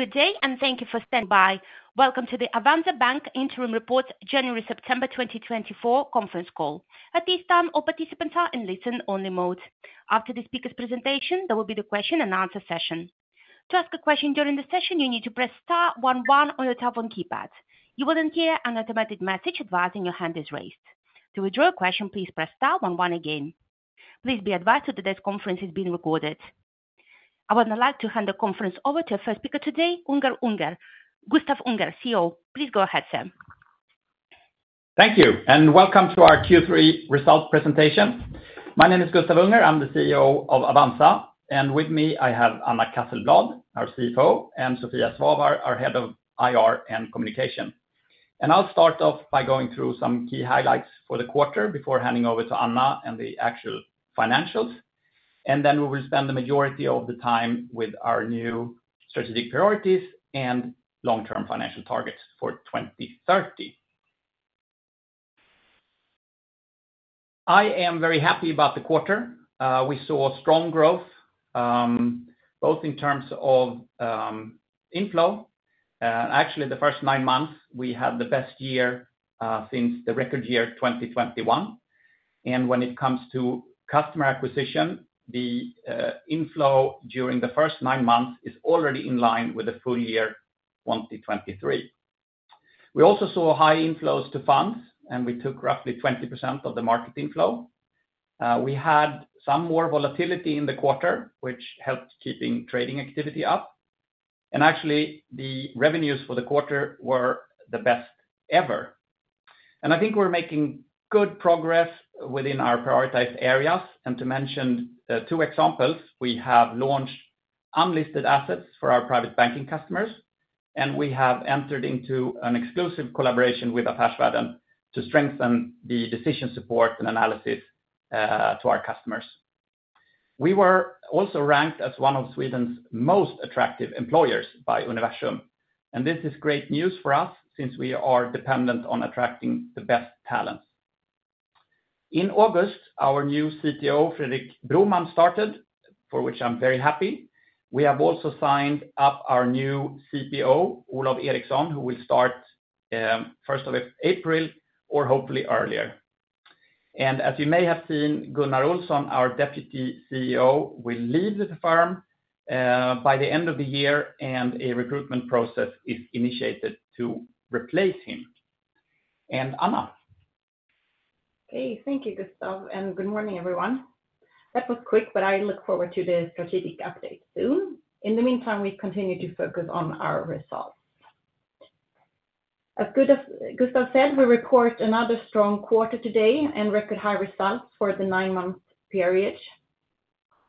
Good day, and thank you for standing by. Welcome to the Avanza Bank Interim Report, January-September 2024 conference call. At this time, all participants are in listen-only mode. After the speaker's presentation, there will be the question and answer session. To ask a question during the session, you need to press star one one on your telephone keypad. You will then hear an automatic message advising your hand is raised. To withdraw a question, please press star one one again. Please be advised that today's conference is being recorded. I would now like to hand the conference over to our first speaker today, Gustav Unger, CEO. Please go ahead, sir. Thank you, and welcome to our Q3 results presentation. My name is Gustav Unger, I'm the CEO of Avanza, and with me, I have Anna Casselblad, our CFO, and Sofia Svavar, our head of IR and Communication. And I'll start off by going through some key highlights for the quarter before handing over to Anna and the actual financials. And then we will spend the majority of the time with our new strategic priorities and long-term financial targets for twenty thirty. I am very happy about the quarter. We saw strong growth both in terms of inflow. Actually, the first nine months, we had the best year since the record year twenty twenty-one. And when it comes to customer acquisition, the inflow during the first nine months is already in line with the full year twenty twenty-three. We also saw high inflows to funds, and we took roughly 20% of the market inflow. We had some more volatility in the quarter, which helped keeping trading activity up, and actually, the revenues for the quarter were the best ever. I think we're making good progress within our prioritized areas. To mention two examples, we have launched unlisted assets for our private banking customers, and we have entered into an exclusive collaboration with Affärsvärlden to strengthen the decision support and analysis to our customers. We were also ranked as one of Sweden's most attractive employers by Universum, and this is great news for us since we are dependent on attracting the best talents. In August, our new CTO, Fredrik Broman, started, for which I'm very happy. We have also signed up our new CPO, Olof Eriksson, who will start first of April, or hopefully earlier. And as you may have seen, Gunnar Olsson, our Deputy CEO, will leave the firm by the end of the year, and a recruitment process is initiated to replace him. And Anna? Okay, thank you, Gustav, and good morning, everyone. That was quick, but I look forward to the strategic update soon. In the meantime, we continue to focus on our results. As Gustav, Gustav said, we record another strong quarter today and record high results for the nine-month period.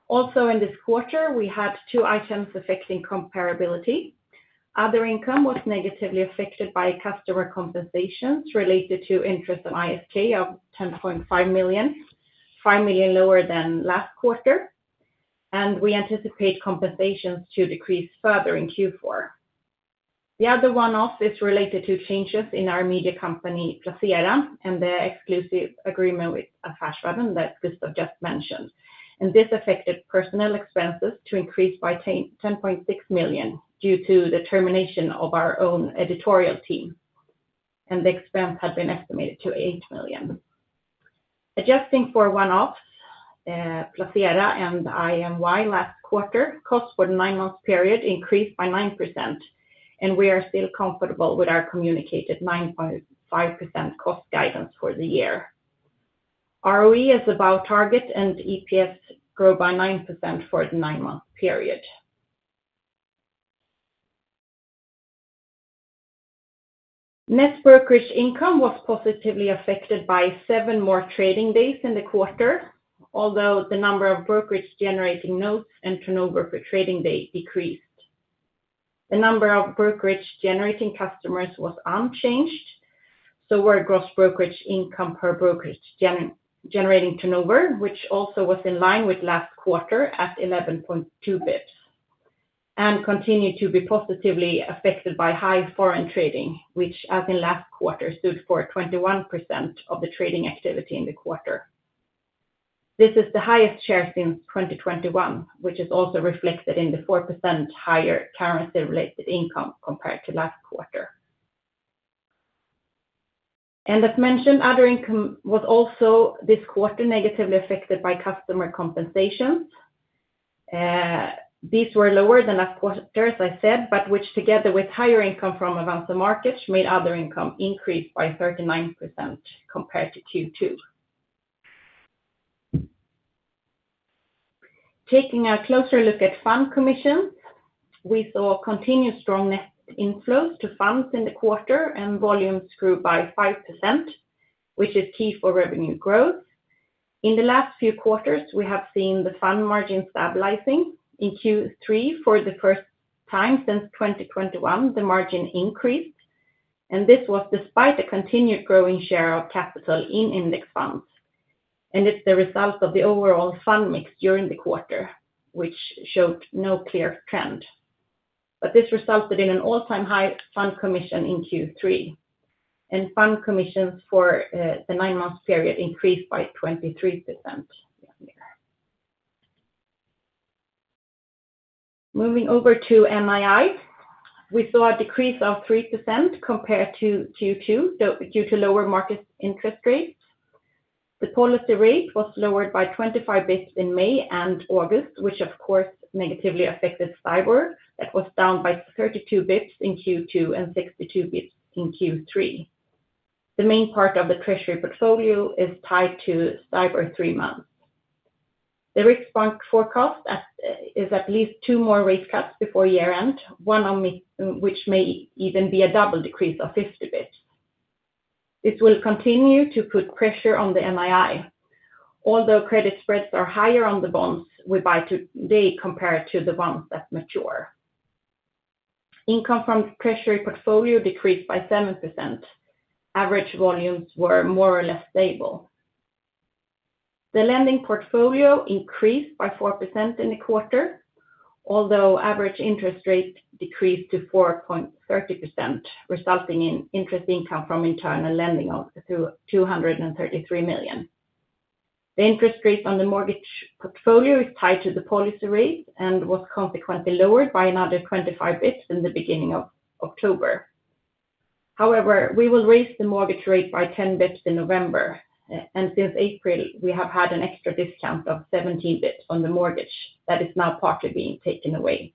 Also, in this quarter, we had two items affecting comparability. Other income was negatively affected by customer compensations related to interest in ISK of SEK 10.5 million, 5 million lower than last quarter, and we anticipate compensations to decrease further in Q4. The other one-off is related to changes in our media company, Placera, and their exclusive agreement with Affärsvärlden that Gustav just mentioned. And this affected personnel expenses to increase by 10.6 million due to the termination of our own editorial team, and the expense had been estimated to 8 million. Adjusting for one-offs, Placera and IMY last quarter, costs for the nine-month period increased by 9%, and we are still comfortable with our communicated 9.5% cost guidance for the year. ROE is above target and EPS grew by 9% for the nine-month period. Net brokerage income was positively affected by 7 more trading days in the quarter, although the number of brokerage generating notes and turnover per trading day decreased. The number of brokerage generating customers was unchanged, so were gross brokerage income per brokerage generating turnover, which also was in line with last quarter at 11.2 basis points, and continued to be positively affected by high foreign trading, which, as in last quarter, stood for 21% of the trading activity in the quarter. This is the highest share since 2021, which is also reflected in the 4% higher currency-related income compared to last quarter. And as mentioned, other income was also, this quarter, negatively affected by customer compensations. These were lower than last quarter, as I said, but which, together with higher income from Avanza Markets, made other income increase by 39% compared to Q2. Taking a closer look at fund commissions, we saw continued strong net inflows to funds in the quarter and volumes grew by 5%, which is key for revenue growth. In the last few quarters, we have seen the fund margin stabilizing. In Q3, for the first time since 2021, the margin increased, and this was despite a continued growing share of capital in index funds. And it's the result of the overall fund mix during the quarter, which showed no clear trend. But this resulted in an all-time high fund commission in Q3, and fund commissions for the nine-month period increased by 23%. Moving over to NII, we saw a decrease of 3% compared to Q2, so due to lower market interest rates. The policy rate was lowered by 25 basis points in May and August, which of course, negatively affected STIBOR. That was down by 32 basis points in Q2 and 62 basis points in Q3. The main part of the treasury portfolio is tied to STIBOR three months. The Riksbank forecast as of, is at least two more rate cuts before year-end, one in November- which may even be a double decrease of 50 basis points. This will continue to put pressure on the NII. Although credit spreads are higher on the bonds we buy today compared to the ones that mature. Income from treasury portfolio decreased by 7%. Average volumes were more or less stable. The lending portfolio increased by 4% in the quarter, although average interest rates decreased to 4.30%, resulting in interest income from internal lending of 233 million SEK. The interest rates on the mortgage portfolio is tied to the policy rate and was consequently lowered by another 25 basis points in the beginning of October. However, we will raise the mortgage rate by 10 basis points in November, and since April, we have had an extra discount of 17 basis points on the mortgage that is now partly being taken away.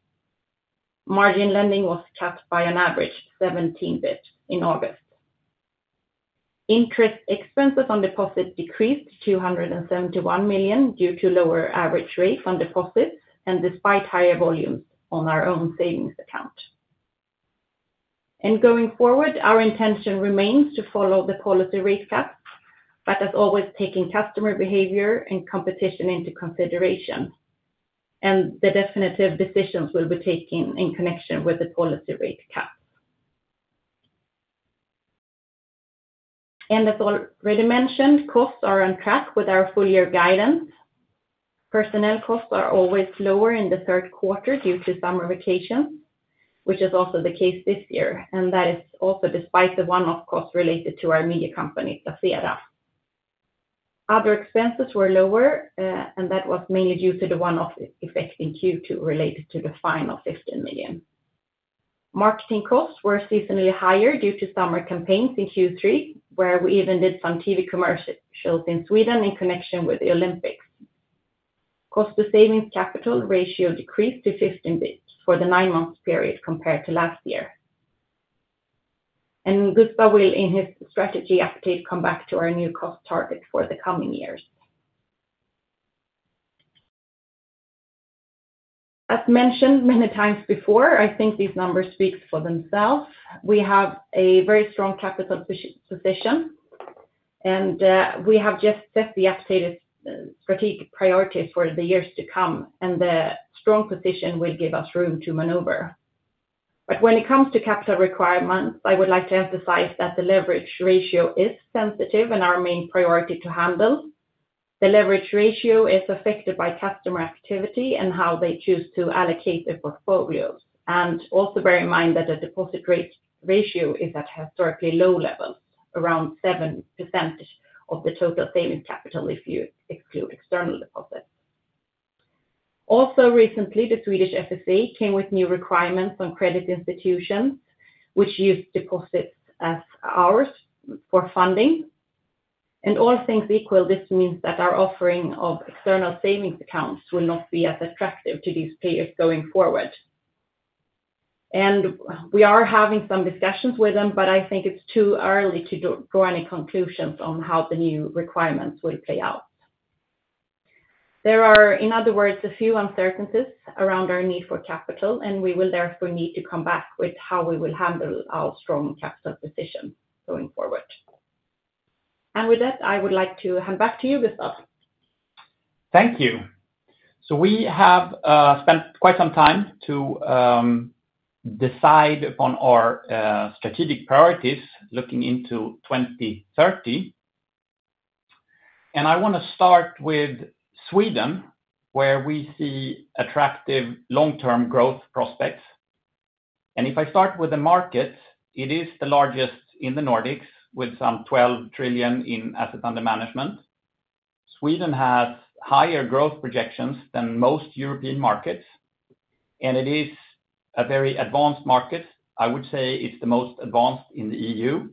Margin lending was cut by an average 17 basis points in August. Interest expenses on deposits decreased to 271 million SEK due to lower average rate on deposits and despite higher volumes on our own savings account. Going forward, our intention remains to follow the policy rate cuts, but as always, taking customer behavior and competition into consideration, and the definitive decisions will be taken in connection with the policy rate cut. As already mentioned, costs are on track with our full year guidance. Personnel costs are always lower in the third quarter due to summer vacations, which is also the case this year, and that is also despite the one-off costs related to our media company, Placera. Other expenses were lower, and that was mainly due to the one-off effect in Q2 related to the final 15 million. Marketing costs were seasonally higher due to summer campaigns in Q3, where we even did some TV commercials shows in Sweden in connection with the Olympics. Cost to savings capital ratio decreased to 15 basis points for the nine-month period compared to last year. Gustav will, in his strategy update, come back to our new cost target for the coming years. As mentioned many times before, I think these numbers speak for themselves. We have a very strong capital position, and we have just set the updated strategic priorities for the years to come, and the strong position will give us room to maneuver. But when it comes to capital requirements, I would like to emphasize that the leverage ratio is sensitive and our main priority to handle. The leverage ratio is affected by customer activity and how they choose to allocate their portfolios. Also bear in mind that the deposit ratio is at historically low levels, around 7% of the total savings capital, if you exclude external deposits. Also, recently, the Swedish FSA came with new requirements on credit institutions, which use deposits as ours for funding. And all things equal, this means that our offering of external savings accounts will not be as attractive to these players going forward. And we are having some discussions with them, but I think it's too early to draw any conclusions on how the new requirements will play out. There are, in other words, a few uncertainties around our need for capital, and we will therefore need to come back with how we will handle our strong capital position going forward. And with that, I would like to hand back to you, Gustav. Thank you. We have spent quite some time to decide on our strategic priorities looking into 2030. I wanna start with Sweden, where we see attractive long-term growth prospects. If I start with the markets, it is the largest in the Nordics, with some 12 trillion in assets under management. Sweden has higher growth projections than most European markets, and it is a very advanced market. I would say it's the most advanced in the EU.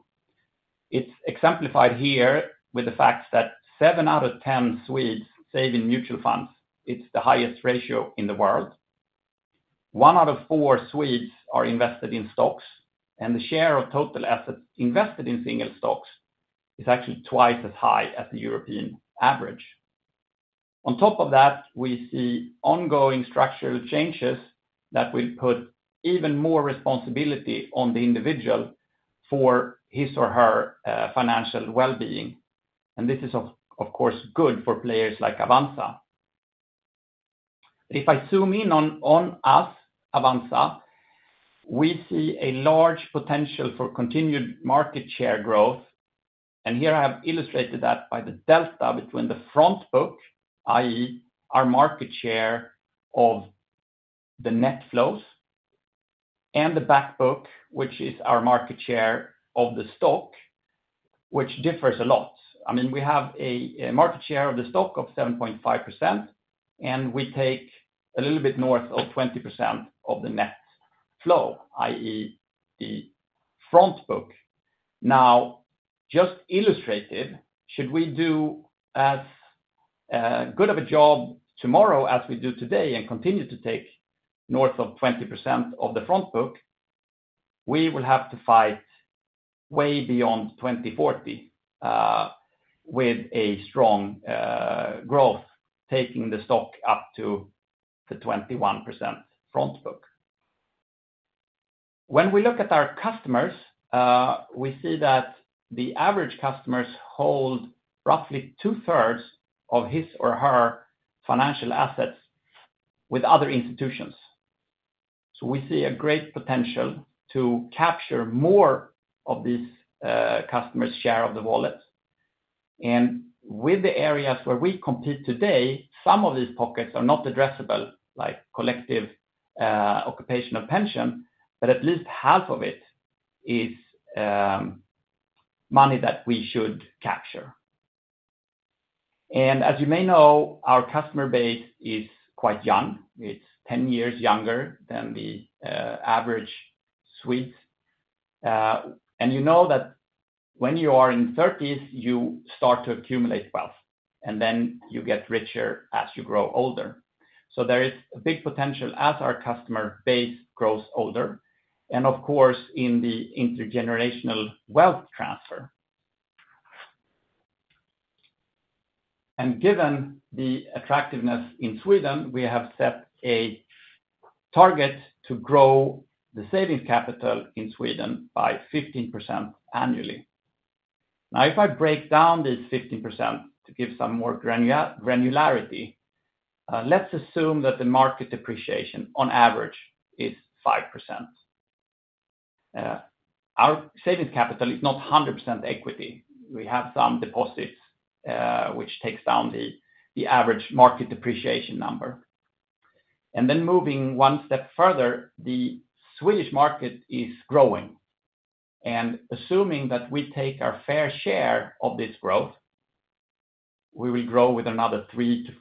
It's exemplified here with the fact that seven out of ten Swedes save in mutual funds. It's the highest ratio in the world. One out of four Swedes are invested in stocks, and the share of total assets invested in single stocks is actually twice as high as the European average. On top of that, we see ongoing structural changes that will put even more responsibility on the individual for his or her financial well-being. And this is of course good for players like Avanza. If I zoom in on us, Avanza, we see a large potential for continued market share growth, and here I have illustrated that by the delta between the front book, i.e., our market share of the net flows and the back book, which is our market share of the stock, which differs a lot. I mean, we have a market share of the stock of 7.5%, and we take a little bit north of 20% of the net flow, i.e., the front book. Now, as just illustrated, should we do as good of a job tomorrow as we do today and continue to take north of 20% of the front book, we will have to fight way beyond 2040 with a strong growth, taking the stock up to the 21% front book. When we look at our customers, we see that the average customers hold roughly two-thirds of his or her financial assets with other institutions. So we see a great potential to capture more of these customers' share of the wallet. And with the areas where we compete today, some of these pockets are not addressable, like collective Occupational Pension, but at least half of it is money that we should capture. And as you may know, our customer base is quite young. It's 10 years younger than the average Swedes. And you know that when you are in thirties, you start to accumulate wealth, and then you get richer as you grow older. So there is a big potential as our customer base grows older, and of course, in the intergenerational wealth transfer. And given the attractiveness in Sweden, we have set a target to grow the savings capital in Sweden by 15% annually. Now, if I break down this 15% to give some more granular, granularity, let's assume that the market depreciation on average is 5%. Our savings capital is not 100% equity. We have some deposits, which takes down the average market depreciation number. And then moving one step further, the Swedish market is growing, and assuming that we take our fair share of this growth, we will grow with another 3-4%.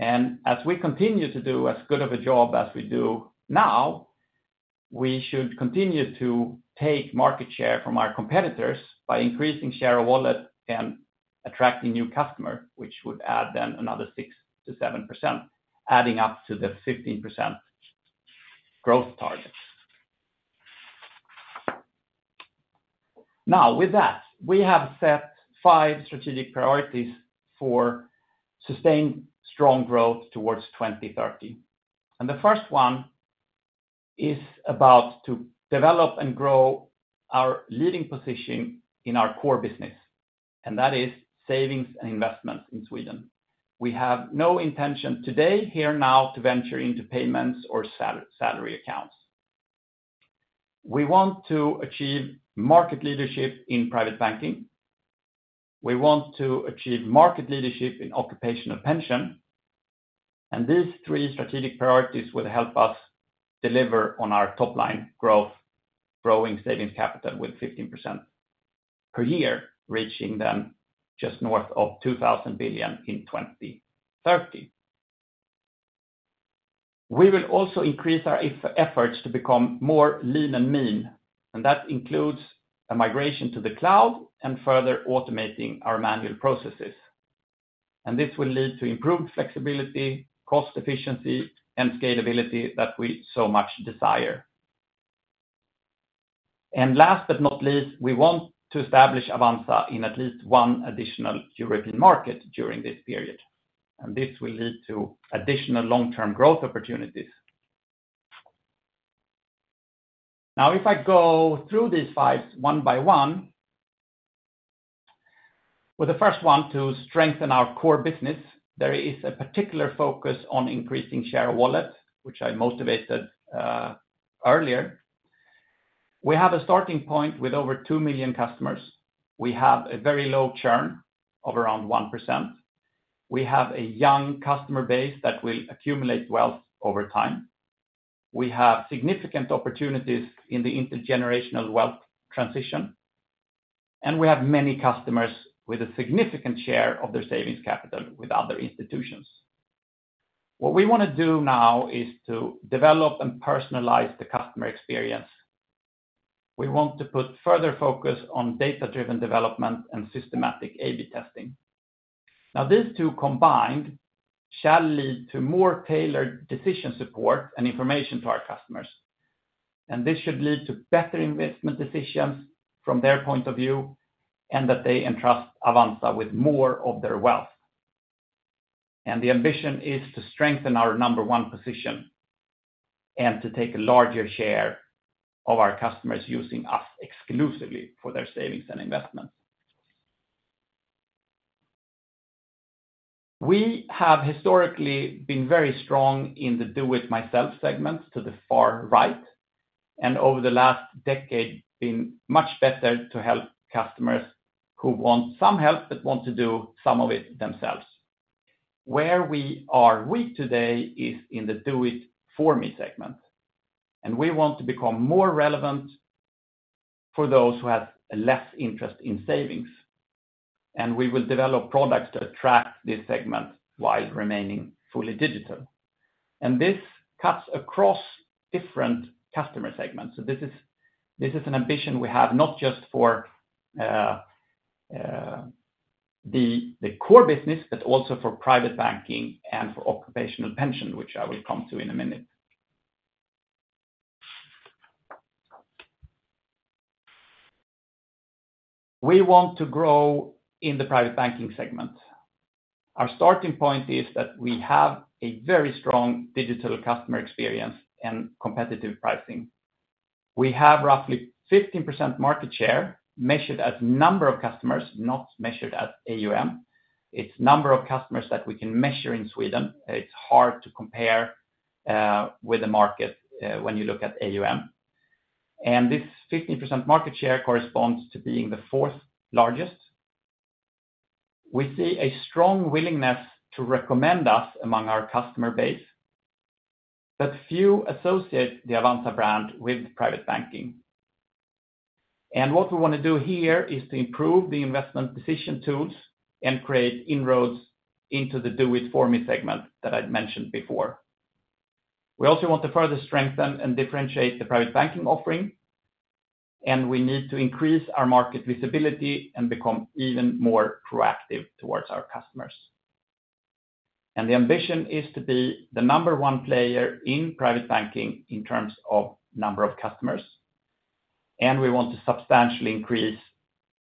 As we continue to do as good of a job as we do now, we should continue to take market share from our competitors by increasing share of wallet and attracting new customer, which would add then another 6%-7%, adding up to the 15% growth target. Now, with that, we have set five strategic priorities for sustained strong growth towards 2030. The first one is about to develop and grow our leading position in our core business, and that is savings and investment in Sweden. We have no intention today, here now, to venture into payments or salary accounts. We want to achieve market leadership in Private Banking. We want to achieve market leadership in Occupational Pension, and these three strategic priorities will help us deliver on our top line growth, growing savings capital with 15% per year, reaching them just north of 2,000 billion SEK in 2030. We will also increase our efforts to become more lean and mean, and that includes a migration to the cloud and further automating our manual processes. And this will lead to improved flexibility, cost efficiency, and scalability that we so much desire. And last but not least, we want to establish Avanza in at least one additional European market during this period, and this will lead to additional long-term growth opportunities. Now, if I go through these fives one by one, with the first one to strengthen our core business, there is a particular focus on increasing share of wallet, which I motivated earlier. We have a starting point with over two million customers. We have a very low churn of around 1%. We have a young customer base that will accumulate wealth over time. We have significant opportunities in the intergenerational wealth transition, and we have many customers with a significant share of their savings capital with other institutions. What we wanna do now is to develop and personalize the customer experience. We want to put further focus on data-driven development and systematic A/B testing. Now, these two combined shall lead to more tailored decision support and information to our customers. And this should lead to better investment decisions from their point of view, and that they entrust Avanza with more of their wealth. And the ambition is to strengthen our number one position and to take a larger share of our customers using us exclusively for their savings and investments. We have historically been very strong in the do-it-myself segments to the far right, and over the last decade, been much better to help customers who want some help, but want to do some of it themselves. Where we are weak today is in the do it for me segment, and we want to become more relevant for those who have less interest in savings, and we will develop products to attract this segment while remaining fully digital, and this cuts across different customer segments, so this is an ambition we have, not just for the core business, but also for private banking and for occupational pension, which I will come to in a minute. We want to grow in the private banking segment. Our starting point is that we have a very strong digital customer experience and competitive pricing. We have roughly 15% market share, measured as number of customers, not measured as AUM. It's number of customers that we can measure in Sweden. It's hard to compare with the market when you look at AUM. And this 15% market share corresponds to being the fourth largest. We see a strong willingness to recommend us among our customer base, but few associate the Avanza brand with private banking. And what we wanna do here is to improve the investment decision tools and create inroads into the do it for me segment that I'd mentioned before. We also want to further strengthen and differentiate the private banking offering, and we need to increase our market visibility and become even more proactive towards our customers. The ambition is to be the number one player in Private Banking in terms of number of customers, and we want to substantially increase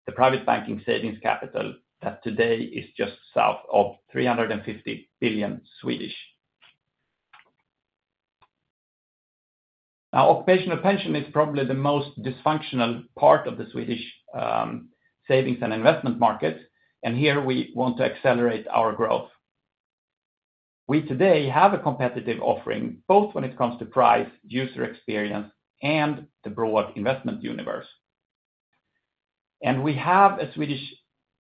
the Private Banking savings capital, that today is just south of 350 billion. Now, Occupational Pension is probably the most dysfunctional part of the Swedish savings and investment market, and here we want to accelerate our growth. We today have a competitive offering, both when it comes to price, user experience, and the broad investment universe. We have a Swedish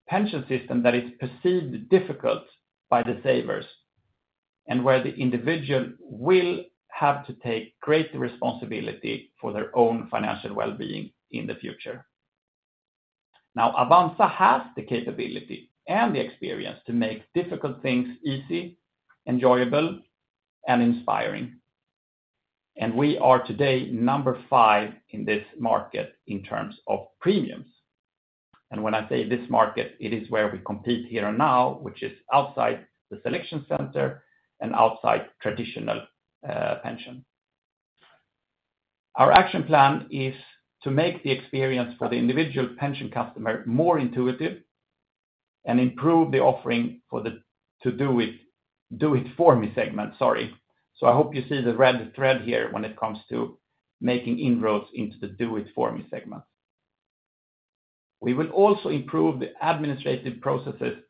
pension system that is perceived difficult by the savers, and where the individual will have to take greater responsibility for their own financial well-being in the future. Now, Avanza has the capability and the experience to make difficult things easy, enjoyable, and inspiring. We are today number five in this market in terms of premiums. When I say this market, it is where we compete here and now, which is outside the selection center and outside traditional pension. Our action plan is to make the experience for the individual pension customer more intuitive and improve the offering for the to do it for me segment, sorry. I hope you see the red thread here when it comes to making inroads into the do it for me segment. We will also improve the administrative processes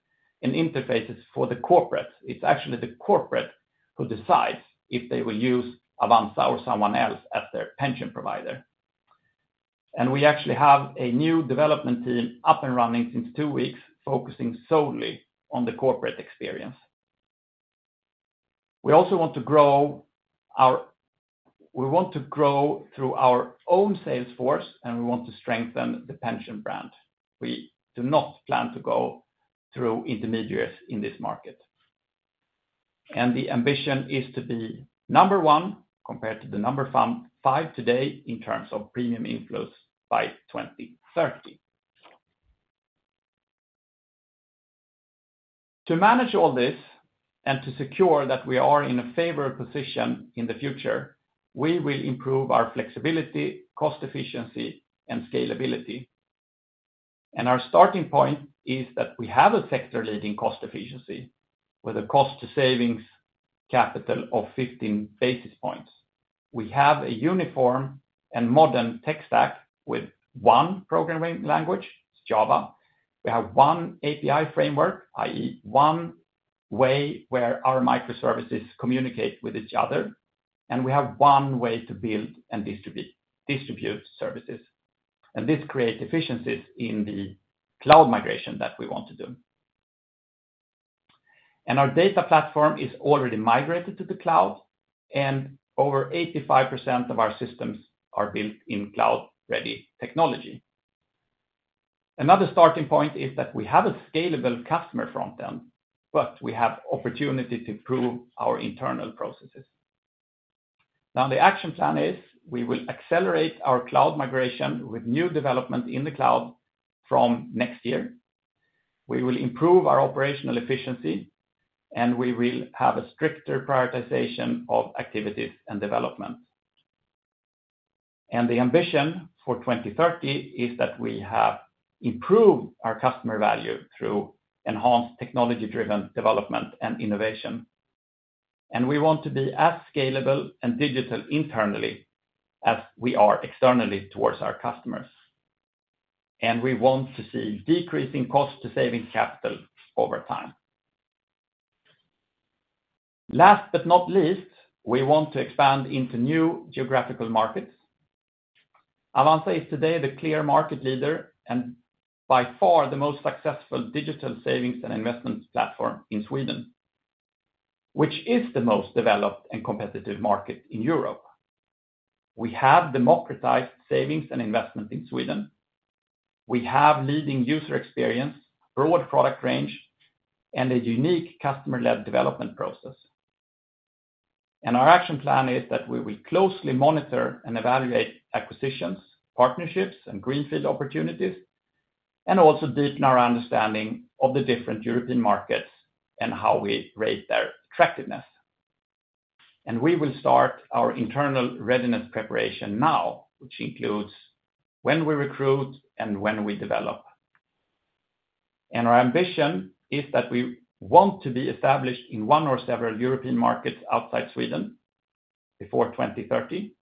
and interfaces for the corporate. It's actually the corporate who decides if they will use Avanza or someone else as their pension provider. We actually have a new development team up and running since two weeks, focusing solely on the corporate experience. We also want to grow through our own sales force, and we want to strengthen the pension brand. We do not plan to go through intermediaries in this market. The ambition is to be number one, compared to the number five today, in terms of premium inflows by 2030. To manage all this, and to secure that we are in a favored position in the future, we will improve our flexibility, cost efficiency, and scalability. Our starting point is that we have a sector-leading cost efficiency, with a cost to savings capital of fifteen basis points. We have a uniform and modern tech stack with one programming language, Java. We have one API framework, i.e., one way where our microservices communicate with each other, and we have one way to build and distribute services. This creates efficiencies in the cloud migration that we want to do. Our data platform is already migrated to the cloud, and over 85% of our systems are built in cloud-ready technology. Another starting point is that we have a scalable customer front end, but we have opportunity to improve our internal processes. Now, the action plan is we will accelerate our cloud migration with new development in the cloud from next year. We will improve our operational efficiency, and we will have a stricter prioritization of activities and development. The ambition for 2030 is that we have improved our customer value through enhanced technology-driven development and innovation. We want to be as scalable and digital internally as we are externally towards our customers. We want to see decreasing cost to savings capital over time. Last but not least, we want to expand into new geographical markets. Avanza is today the clear market leader and by far the most successful digital savings and investment platform in Sweden, which is the most developed and competitive market in Europe. We have democratized savings and investment in Sweden. We have leading user experience, broad product range, and a unique customer-led development process, and our action plan is that we will closely monitor and evaluate acquisitions, partnerships, and greenfield opportunities, and also deepen our understanding of the different European markets and how we rate their attractiveness, and we will start our internal readiness preparation now, which includes when we recruit and when we develop, and our ambition is that we want to be established in one or several European markets outside Sweden before twenty thirty.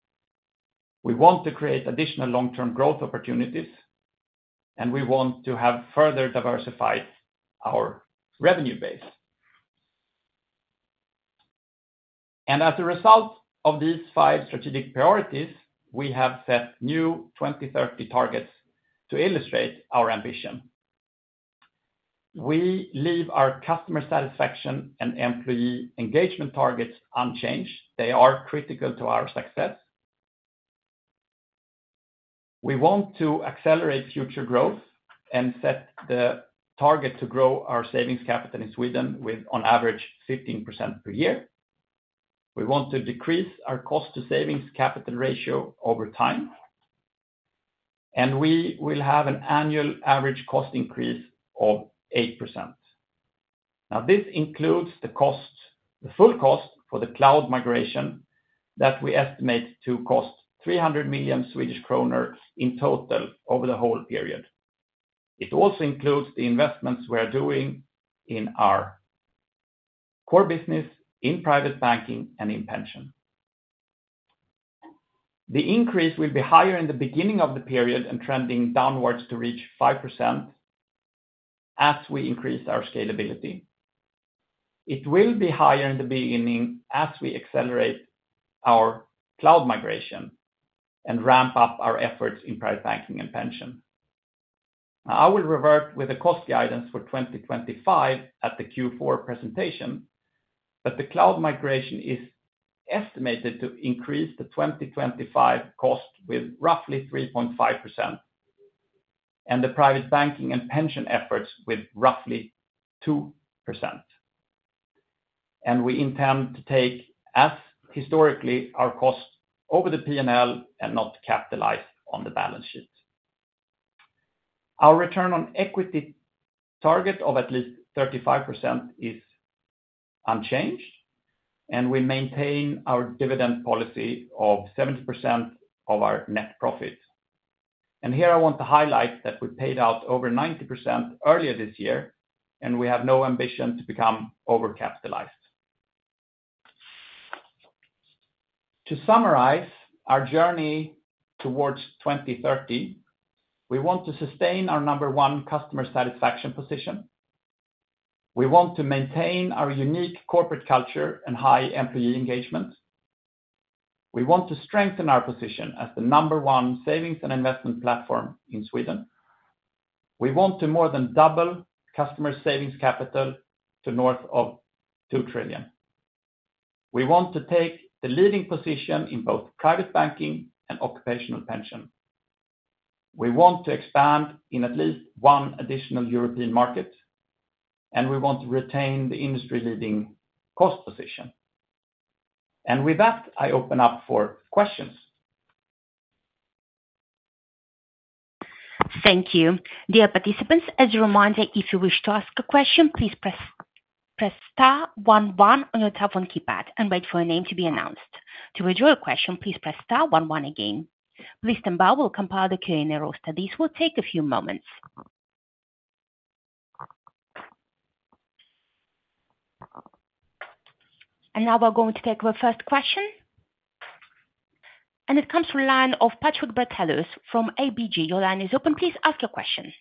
We want to create additional long-term growth opportunities, and we want to have further diversified our revenue base. And as a result of these five strategic priorities, we have set new 2030 targets to illustrate our ambition. We leave our customer satisfaction and employee engagement targets unchanged. They are critical to our success. We want to accelerate future growth and set the target to grow our savings capital in Sweden with on average 15% per year. We want to decrease our cost to savings capital ratio over time, and we will have an annual average cost increase of 8%. Now, this includes the costs, the full cost for the cloud migration that we estimate to cost 300 million Swedish kronor in total over the whole period. It also includes the investments we are doing in our core business, in private banking, and in pension. The increase will be higher in the beginning of the period and trending downwards to reach 5% as we increase our scalability. It will be higher in the beginning as we accelerate our cloud migration and ramp up our efforts in private banking and pension. Now, I will revert with the cost guidance for 2025 at the Q4 presentation, but the cloud migration is estimated to increase the 2025 cost with roughly 3.5%, and the private banking and pension efforts with roughly 2%. And we intend to take as historically, our cost over the P&L and not capitalize on the balance sheet. Our return on equity target of at least 35% is unchanged, and we maintain our dividend policy of 70% of our net profit. Here I want to highlight that we paid out over 90% earlier this year, and we have no ambition to become overcapitalized. To summarize our journey towards 2030, we want to sustain our number one customer satisfaction position. We want to maintain our unique corporate culture and high employee engagement. We want to strengthen our position as the number one savings and investment platform in Sweden. We want to more than double customer savings capital to north of 2 trillion. We want to take the leading position in both Private Banking and Occupational Pension. We want to expand in at least one additional European market, and we want to retain the industry-leading cost position. With that, I open up for questions. Thank you. Dear participants, as a reminder, if you wish to ask a question, please press star one one on your telephone keypad and wait for your name to be announced. To withdraw a question, please press star one one again. Lisa now will compile the Q&A roster. This will take a few moments, and now we're going to take our first question, and it comes from the line of Patrik Brattelius from ABG. Your line is open. Please ask your question.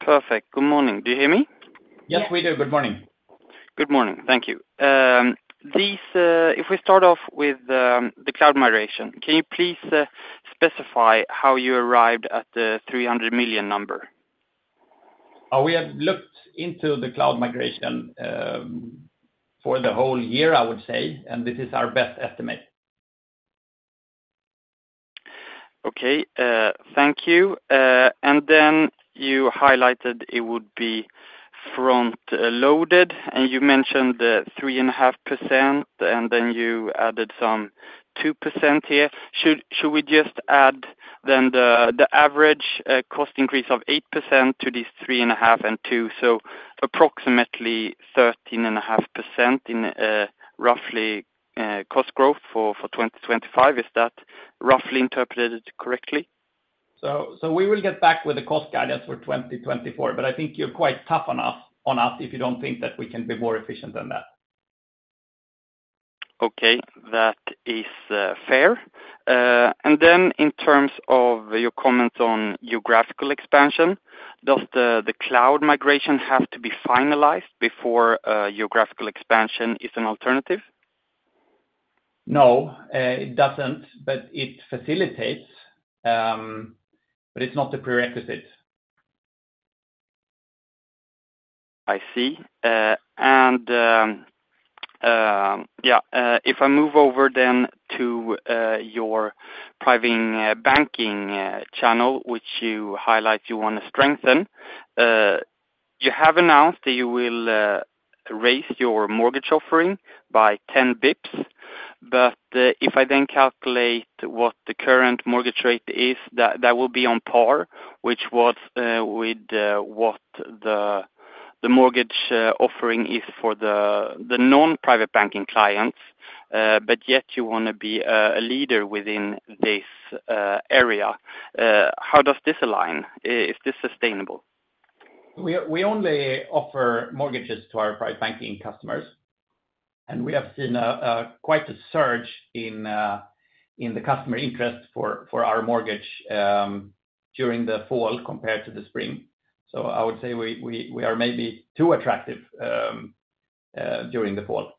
Perfect. Good morning. Do you hear me? Yes, we do. Good morning. Good morning. Thank you. If we start off with the cloud migration, can you please specify how you arrived at the 300 million number? We have looked into the cloud migration for the whole year, I would say, and this is our best estimate. Okay, thank you. And then you highlighted it would be front loaded, and you mentioned the 3.5%, and then you added some 2% here. Should we just add then the average cost increase of 8% to these 3.5% and 2%, so approximately 13.5% in roughly cost growth for 2025? Is that roughly interpreted correctly? We will get back with the cost guidance for 2024, but I think you're quite tough on us if you don't think that we can be more efficient than that. Okay, that is fair, and then in terms of your comments on geographical expansion, does the cloud migration have to be finalized before geographical expansion is an alternative? No, it doesn't, but it facilitates, but it's not a prerequisite. I see, and yeah, if I move over then to your Private Banking channel, which you highlight you wanna strengthen. You have announced that you will raise your mortgage offering by ten basis points, but if I then calculate what the current mortgage rate is, that will be on par with what the mortgage offering is for the non-Private Banking clients, but yet you wanna be a leader within this area. How does this align? Is this sustainable? We only offer mortgages to our private banking customers, and we have seen quite a surge in the customer interest for our mortgage during the fall compared to the spring. So I would say we are maybe too attractive during the fall.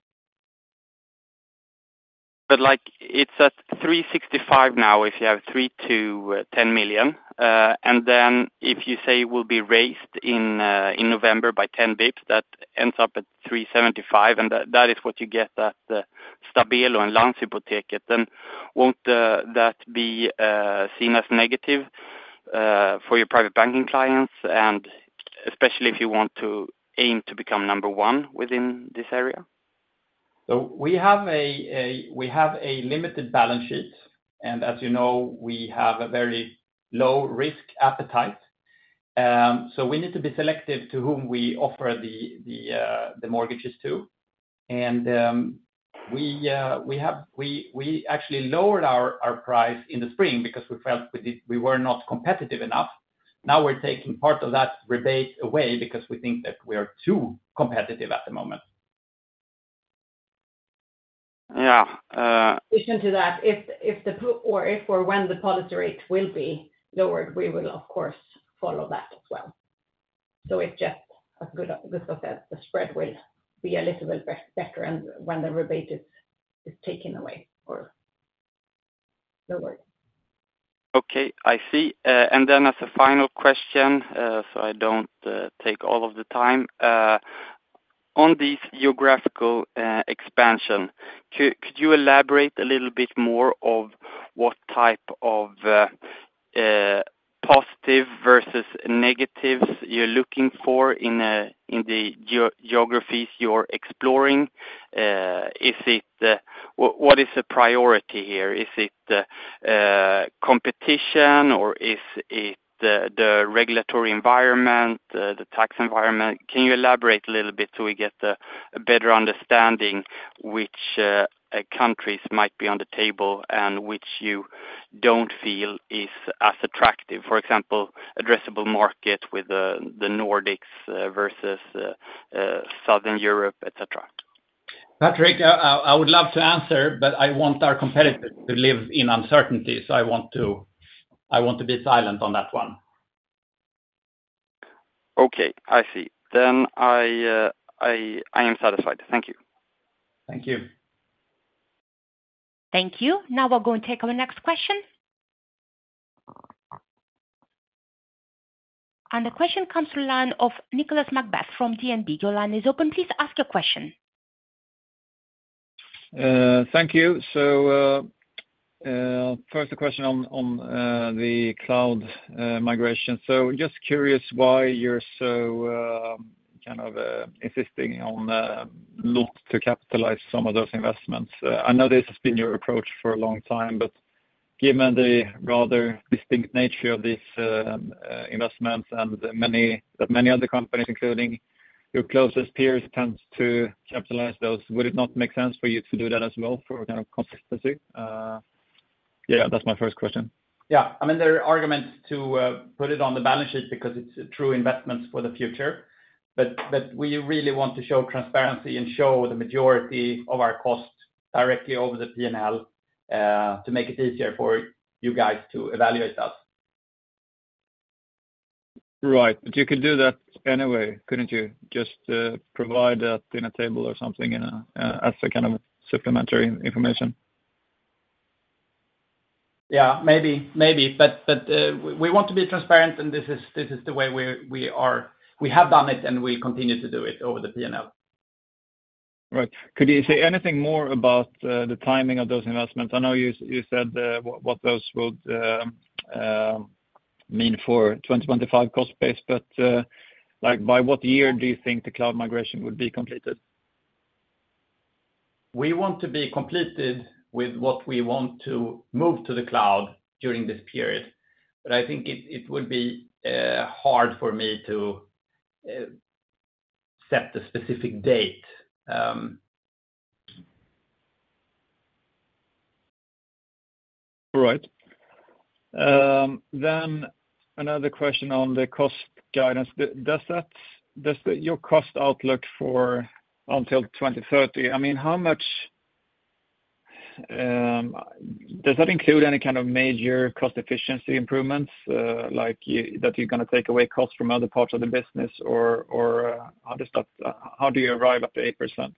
But like it's at 3.65% now, if you have 3 million-10 million, and then if you say will be raised in, in November by ten basis points, that ends up at 3.75%, and that, that is what you get at the Stabelo and Landshypotek Bank, then won't that be seen as negative for your Private Banking clients, and especially if you want to aim to become number one within this area? We have a limited balance sheet, and as you know, we have a very low risk appetite. We need to be selective to whom we offer the mortgages to. We actually lowered our price in the spring because we felt we were not competitive enough. Now, we're taking part of that rebate away because we think that we are too competitive at the moment. Yeah, uh- In addition to that, if or when the policy rate will be lowered, we will of course follow that as well. So it's just as good as that, the spread will be a little bit better and when the rebate is taken away or lowered. Okay, I see. And then as a final question, so I don't take all of the time on this geographical expansion, could you elaborate a little bit more on what type of positive versus negatives you're looking for in the geographies you're exploring? Is it what is the priority here? Is it competition, or is it the regulatory environment, the tax environment? Can you elaborate a little bit so we get a better understanding, which countries might be on the table and which you don't feel is as attractive? For example, addressable market with the Nordics versus Southern Europe, et cetera. Patrik, I would love to answer, but I want our competitors to live in uncertainty, so I want to be silent on that one. Okay, I see. Then I am satisfied. Thank you. Thank you. Thank you. Now we're going to take our next question. And the question comes through the line of Nicolas McBeath from DNB. Your line is open. Please ask your question. Thank you. So, first, the question on the cloud migration. Just curious why you're so kind of insisting on look to capitalize some of those investments. I know this has been your approach for a long time, but given the rather distinct nature of these investments and many other companies, including your closest peers, tends to capitalize those, would it not make sense for you to do that as well for kind of consistency? Yeah, that's my first question. Yeah, I mean, there are arguments to put it on the balance sheet because it's true investments for the future. But we really want to show transparency and show the majority of our costs directly over the P&L, to make it easier for you guys to evaluate us. Right. But you could do that anyway, couldn't you? Just provide that in a table or something as a kind of supplementary information. Yeah, maybe. But we want to be transparent, and this is the way we are. We have done it, and we continue to do it over the P&L. Right. Could you say anything more about the timing of those investments? I know you said what those would mean for twenty twenty-five cost base, but like, by what year do you think the cloud migration would be completed? We want to be completed with what we want to move to the cloud during this period, but I think it would be hard for me to set a specific date. All right, then another question on the cost guidance. Does your cost outlook for until 2030, I mean, how much does that include any kind of major cost efficiency improvements, like that you're gonna take away costs from other parts of the business or other stuff? How do you arrive at the 8%?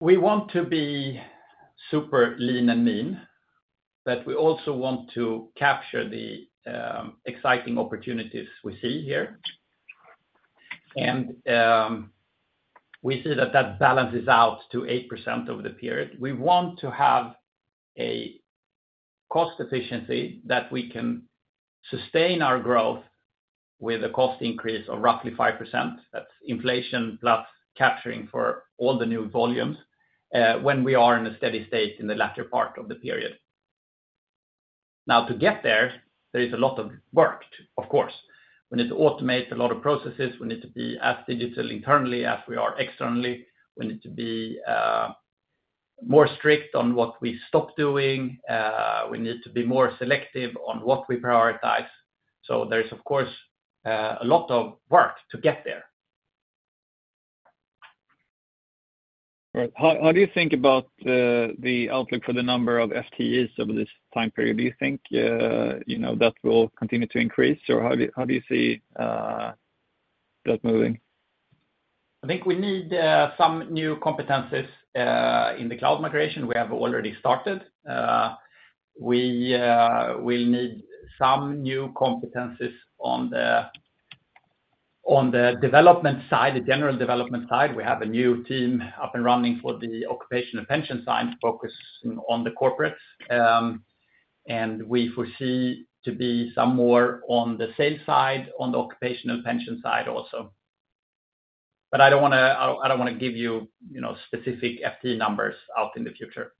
We want to be super lean and mean, but we also want to capture the exciting opportunities we see here. And we see that that balances out to 8% over the period. We want to have a cost efficiency that we can sustain our growth with a cost increase of roughly 5%. That's inflation plus capturing for all the new volumes when we are in a steady state in the latter part of the period. Now, to get there, there is a lot of work, of course. We need to automate a lot of processes. We need to be as digital internally as we are externally. We need to be more strict on what we stop doing. We need to be more selective on what we prioritize. So there is, of course, a lot of work to get there. Right. How do you think about the outlook for the number of FTEs over this time period? Do you think, you know, that will continue to increase, or how do you see that moving? I think we need some new competencies in the cloud migration. We have already started. We need some new competencies on the development side, the general development side. We have a new team up and running for the Occupational Pension side, focusing on the corporates. And we foresee to be some more on the sales side, on the Occupational Pension side also. But I don't wanna give you, you know, specific FTE numbers out in the future.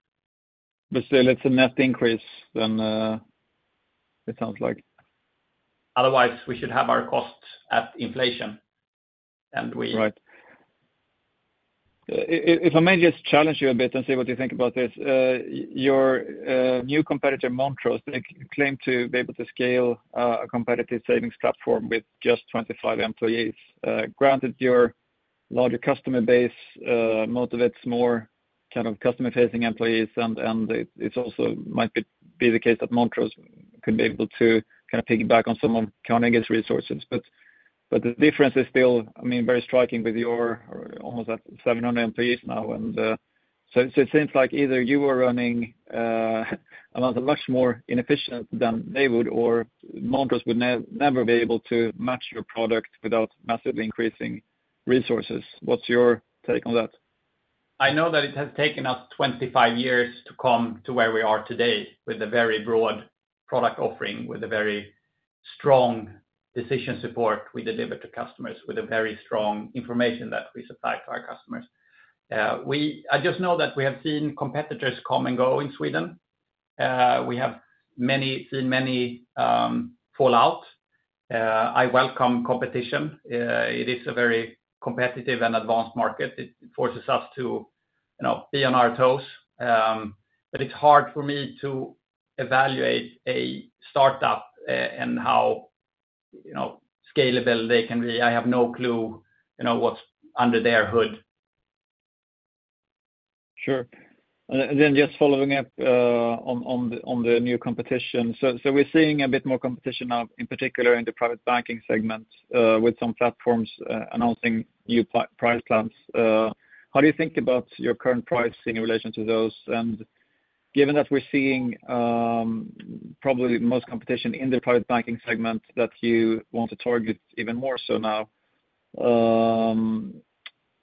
But still it's a net increase than, it sounds like. Otherwise, we should have our costs at inflation, and we- Right. If I may just challenge you a bit and see what you think about this. Your new competitor, Montrose, they claim to be able to scale a competitive savings platform with just 25 employees. Granted, your larger customer base motivates more kind of customer-facing employees, and it might be the case that Montrose could be able to kind of piggyback on some of Carnegie's resources. But the difference is still, I mean, very striking with your almost at 700 employees now. And so it seems like either you are running a model much more inefficient than they would, or Montrose would never be able to match your product without massively increasing resources. What's your take on that? I know that it has taken us twenty-five years to come to where we are today, with a very broad product offering, with a very strong decision support we deliver to customers, with a very strong information that we supply to our customers. I just know that we have seen competitors come and go in Sweden. We have seen many fall out. I welcome competition. It is a very competitive and advanced market. It forces us to, you know, be on our toes. But it's hard for me to evaluate a start-up, and how, you know, scalable they can be. I have no clue, you know, what's under their hood. Sure. And then just following up on the new competition. So we're seeing a bit more competition now, in particular in the private banking segment, with some platforms announcing new price plans. How do you think about your current pricing in relation to those? And given that we're seeing probably the most competition in the private banking segment that you want to target even more so now,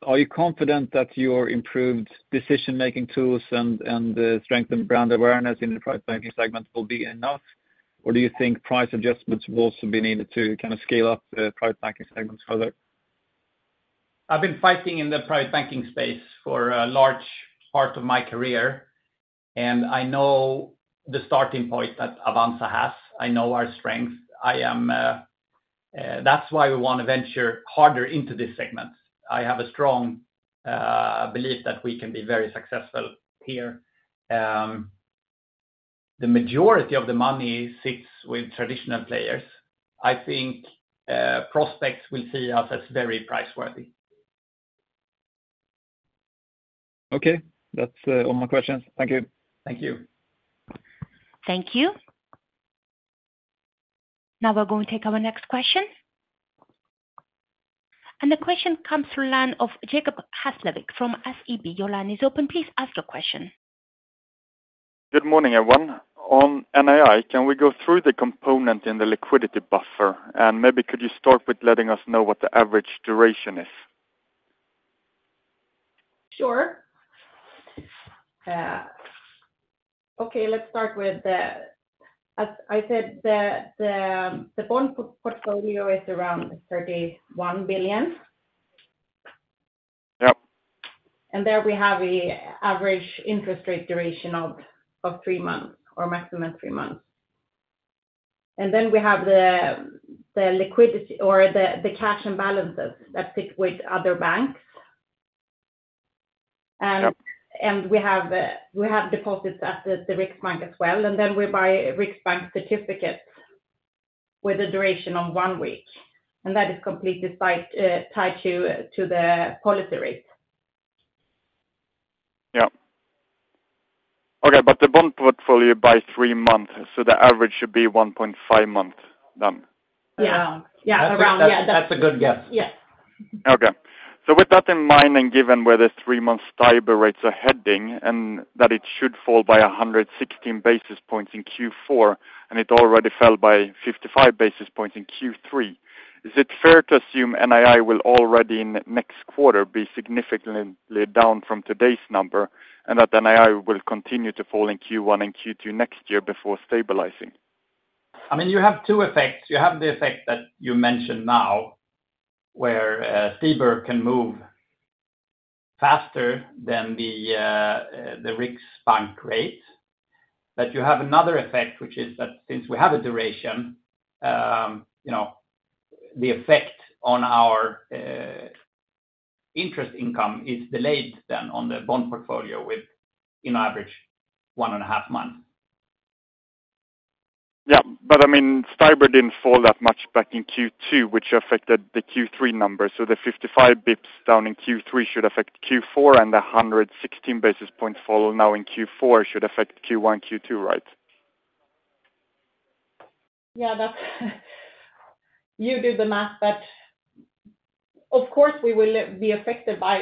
are you confident that your improved decision-making tools and strengthened brand awareness in the private banking segment will be enough? Or do you think price adjustments will also be needed to kind of scale up the private banking segments further? I've been fighting in the private banking space for a large part of my career, and I know the starting point that Avanza has. I know our strengths. I am, that's why we want to venture harder into this segment. I have a strong belief that we can be very successful here. The majority of the money sits with traditional players. I think, prospects will see us as very price-worthy. Okay. That's all my questions. Thank you. Thank you. Thank you. Now we're going to take our next question. And the question comes from the line of Jacob Hesslevik from SEB. Your line is open. Please ask your question. Good morning, everyone. On NII, can we go through the component in the liquidity buffer? And maybe could you start with letting us know what the average duration is? Sure. Okay, let's start with the. As I said, the bond portfolio is around 31 billion. Yep. There we have an average interest rate duration of three months, or maximum three months. We have the liquidity or the cash and balances that sit with other banks. Yep. We have deposits at the Riksbank as well, and then we buy Riksbank certificates with a duration of one week, and that is completely tied to the policy rate. Yep. Okay, but the bond portfolio by three months, so the average should be one point five months then? Yeah, yeah, around, yeah. That's a good guess. Yes. Okay, so with that in mind, and given where the 3-month STIBOR rates are heading, and that it should fall by 116 basis points in Q4, and it already fell by 55 basis points in Q3, is it fair to assume NII will already in next quarter be significantly down from today's number, and that NII will continue to fall in Q1 and Q2 next year before stabilizing? I mean, you have two effects. You have the effect that you mentioned now, where STIBOR can move faster than the Riksbank rate. But you have another effect, which is that since we have a duration, you know, the effect on our interest income is delayed then on the bond portfolio with, in average, one and a half months. Yeah, but I mean, STIBOR didn't fall that much back in Q2, which affected the Q3 numbers. So the 55 basis points down in Q3 should affect Q4, and the 116 basis points fall now in Q4 should affect Q1, Q2, right? Yeah, that's, you do the math, but of course we will be affected by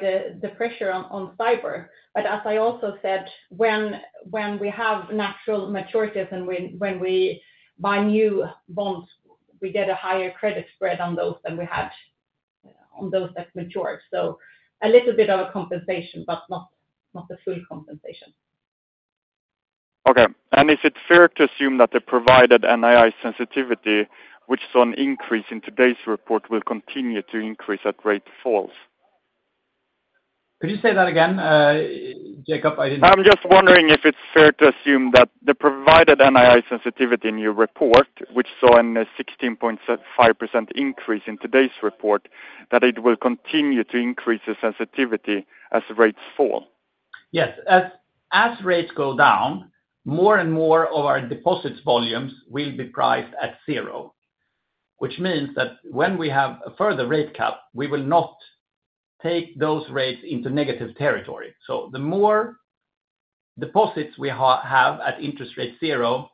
the pressure on STIBOR. But as I also said, when we have natural maturities and when we buy new bonds, we get a higher credit spread on those than we had on those that matured. So a little bit of a compensation, but not a full compensation. Okay. And is it fair to assume that the provided NII sensitivity, which saw an increase in today's report, will continue to increase as rates fall? Could you say that again, Jacob? I didn't- I'm just wondering if it's fair to assume that the provided NII sensitivity in your report, which saw a 16.5% increase in today's report, that it will continue to increase the sensitivity as rates fall? Yes. As rates go down, more and more of our deposit volumes will be priced at zero, which means that when we have a further rate cut, we will not take those rates into negative territory. So the more deposits we have at interest rate zero,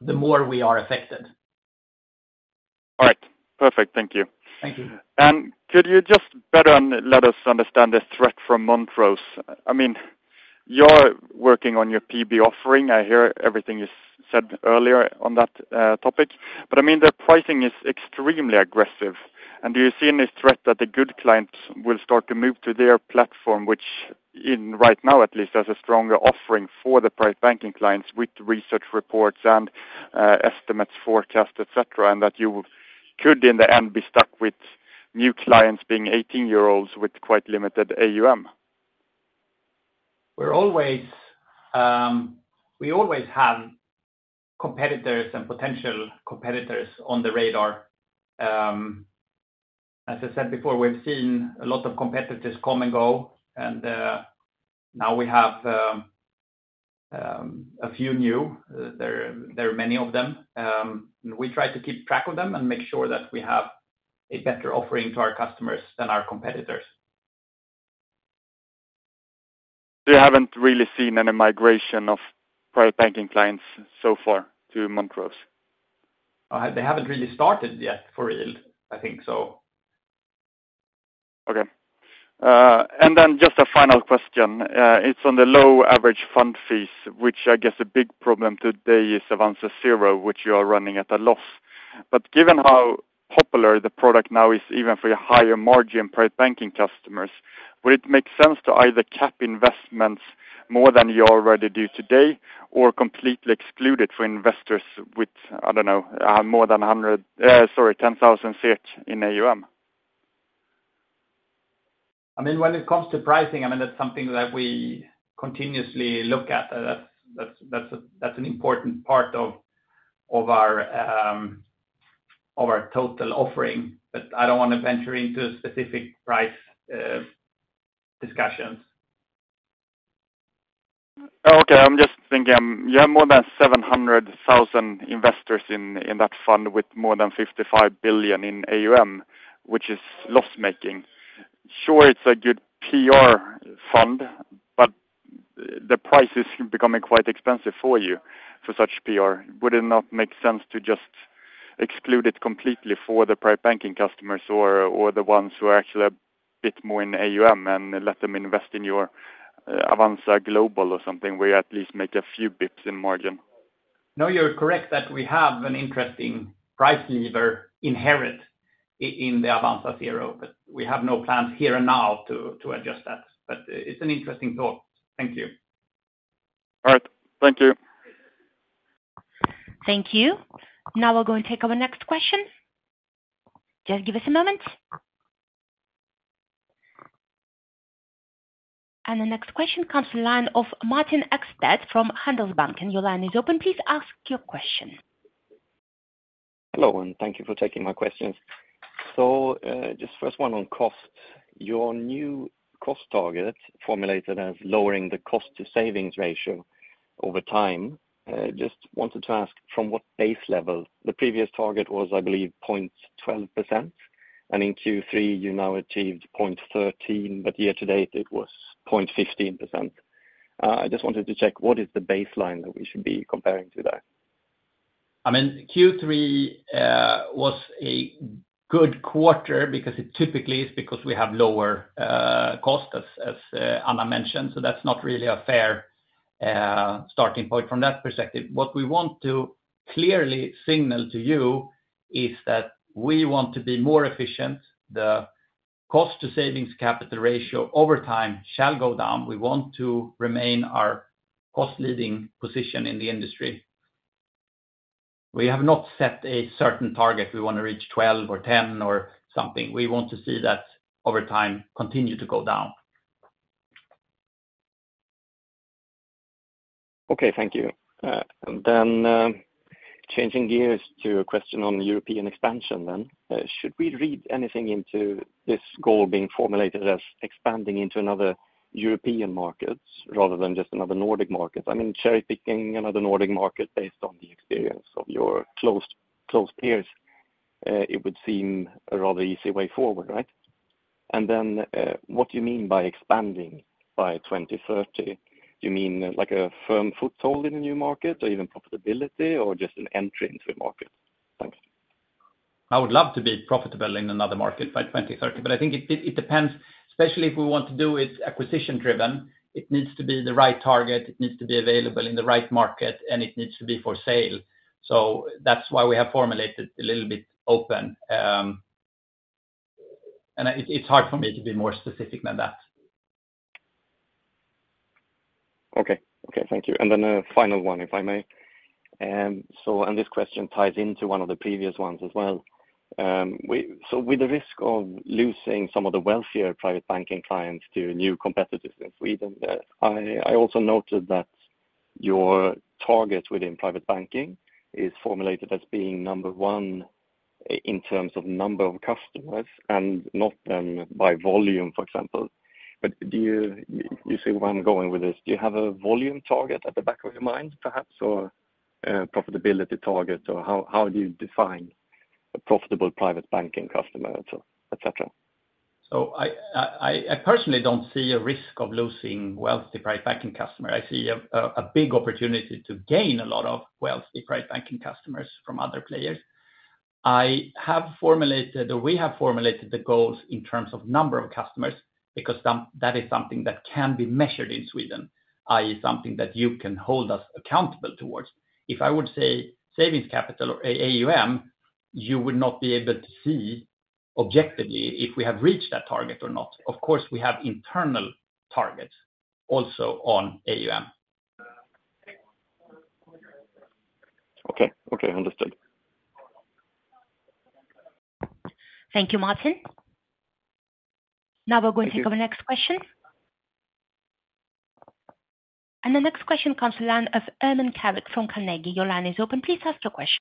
the more we are affected. All right. Perfect. Thank you. Thank you. Could you just better let us understand the threat from Montrose? I mean, you're working on your PB offering. I hear everything you said earlier on that topic, but I mean, the pricing is extremely aggressive. Do you see any threat that the good clients will start to move to their platform, which, right now, at least, has a stronger offering for the private banking clients with research reports and estimates, forecasts, et cetera, and that you could, in the end, be stuck with new clients being eighteen-year-olds with quite limited AUM? We're always, we always have competitors and potential competitors on the radar. As I said before, we've seen a lot of competitors come and go, and, now we have, a few new. There are many of them. And we try to keep track of them and make sure that we have a better offering to our customers than our competitors. You haven't really seen any migration of Private Banking clients so far to Montrose? They haven't really started yet for real, I think so. Okay. And then just a final question. It's on the low average fund fees, which I guess a big problem today is Avanza Zero, which you are running at a loss. But given how popular the product now is, even for your higher margin private banking customers, would it make sense to either cap investments more than you already do today, or completely exclude it for investors with, I don't know, more than 100, sorry, 10,000 SEK in AUM? I mean, when it comes to pricing, I mean, that's something that we continuously look at. That's an important part of our total offering, but I don't want to venture into specific price discussions. Okay. I'm just thinking, you have more than seven hundred thousand investors in that fund with more than fifty-five billion in AUM, which is loss-making. Sure, it's a good PR fund, but the price is becoming quite expensive for you for such PR. Would it not make sense to just exclude it completely for the private banking customers or the ones who are actually a bit more in AUM and let them invest in your Avanza Global or something, where you at least make a few basis points in margin? No, you're correct that we have an interesting price lever inherent in the Avanza Zero, but we have no plans here and now to adjust that. But it's an interesting thought. Thank you. All right. Thank you. Thank you. Now we'll go and take our next question. Just give us a moment, and the next question comes in the line of Martin Ekstedt from Handelsbanken. Your line is open. Please ask your question. Hello, and thank you for taking my questions. So, just first one on cost. Your new cost target, formulated as lowering the cost to savings ratio over time. Just wanted to ask from what base level? The previous target was, I believe, 0.12%, and in Q3, you now achieved 0.13%, but year to date it was 0.15%. I just wanted to check what is the baseline that we should be comparing to that? I mean, Q3 was a good quarter because it typically is because we have lower cost as Anna mentioned. So that's not really a fair starting point from that perspective. What we want to clearly signal to you is that we want to be more efficient. The cost to savings capital ratio over time shall go down. We want to remain our cost leading position in the industry. We have not set a certain target. We wanna reach twelve or ten or something. We want to see that over time, continue to go down. Okay, thank you. Changing gears to a question on the European expansion. Should we read anything into this goal being formulated as expanding into another European markets rather than just another Nordic market? I mean, cherry-picking another Nordic market based on the experience of your close peers, it would seem a rather easy way forward, right? What do you mean by expanding by twenty thirty? Do you mean like a firm foothold in the new market, or even profitability, or just an entry into a market? Thanks. I would love to be profitable in another market by 2030, but I think it depends, especially if we want to do it acquisition-driven, it needs to be the right target, it needs to be available in the right market, and it needs to be for sale. So that's why we have formulated a little bit open. And it's hard for me to be more specific than that. Okay. Okay, thank you. And then a final one, if I may. So and this question ties into one of the previous ones as well. So with the risk of losing some of the wealthier private banking clients to new competitors in Sweden, I also noted that your targets within private banking is formulated as being number one in terms of number of customers and not by volume, for example. But do you... You see where I'm going with this? Do you have a volume target at the back of your mind, perhaps, or profitability target, or how do you define a profitable private banking customer, so et cetera? I personally don't see a risk of losing wealthy private banking customer. I see a big opportunity to gain a lot of wealthy private banking customers from other players. I have formulated, or we have formulated the goals in terms of number of customers, because that is something that can be measured in Sweden, i.e., something that you can hold us accountable towards. If I would say savings capital or AUM, you would not be able to see objectively if we have reached that target or not. Of course, we have internal targets also on AUM. Okay, okay, understood. Thank you, Martin. Now we're going to the next question. The next question comes from the line of Ermin Keric from Carnegie. Your line is open. Please ask your question.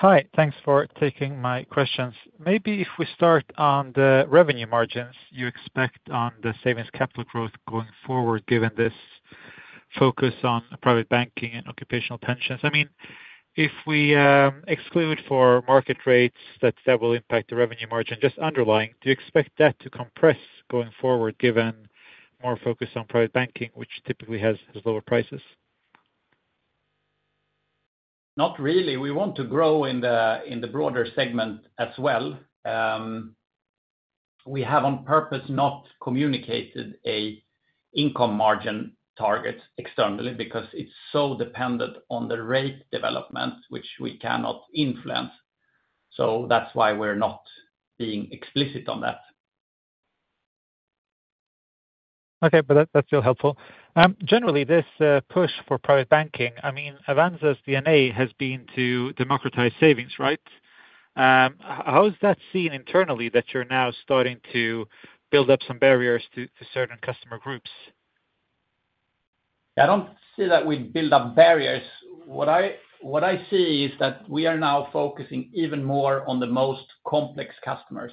Hi, thanks for taking my questions. Maybe if we start on the revenue margins you expect on the savings capital growth going forward, given this focus on private banking and occupational pensions. I mean, if we exclude for market rates, that will impact the revenue margin, just underlying, do you expect that to compress going forward, given more focus on private banking, which typically has lower prices? Not really. We want to grow in the broader segment as well. We have on purpose not communicated an income margin target externally because it's so dependent on the rate development, which we cannot influence. So that's why we're not being explicit on that. Okay, but that, that's still helpful. Generally, this push for private banking, I mean, Avanza's DNA has been to democratize savings, right? How is that seen internally, that you're now starting to build up some barriers to certain customer groups? I don't see that we build up barriers. What I see is that we are now focusing even more on the most complex customers.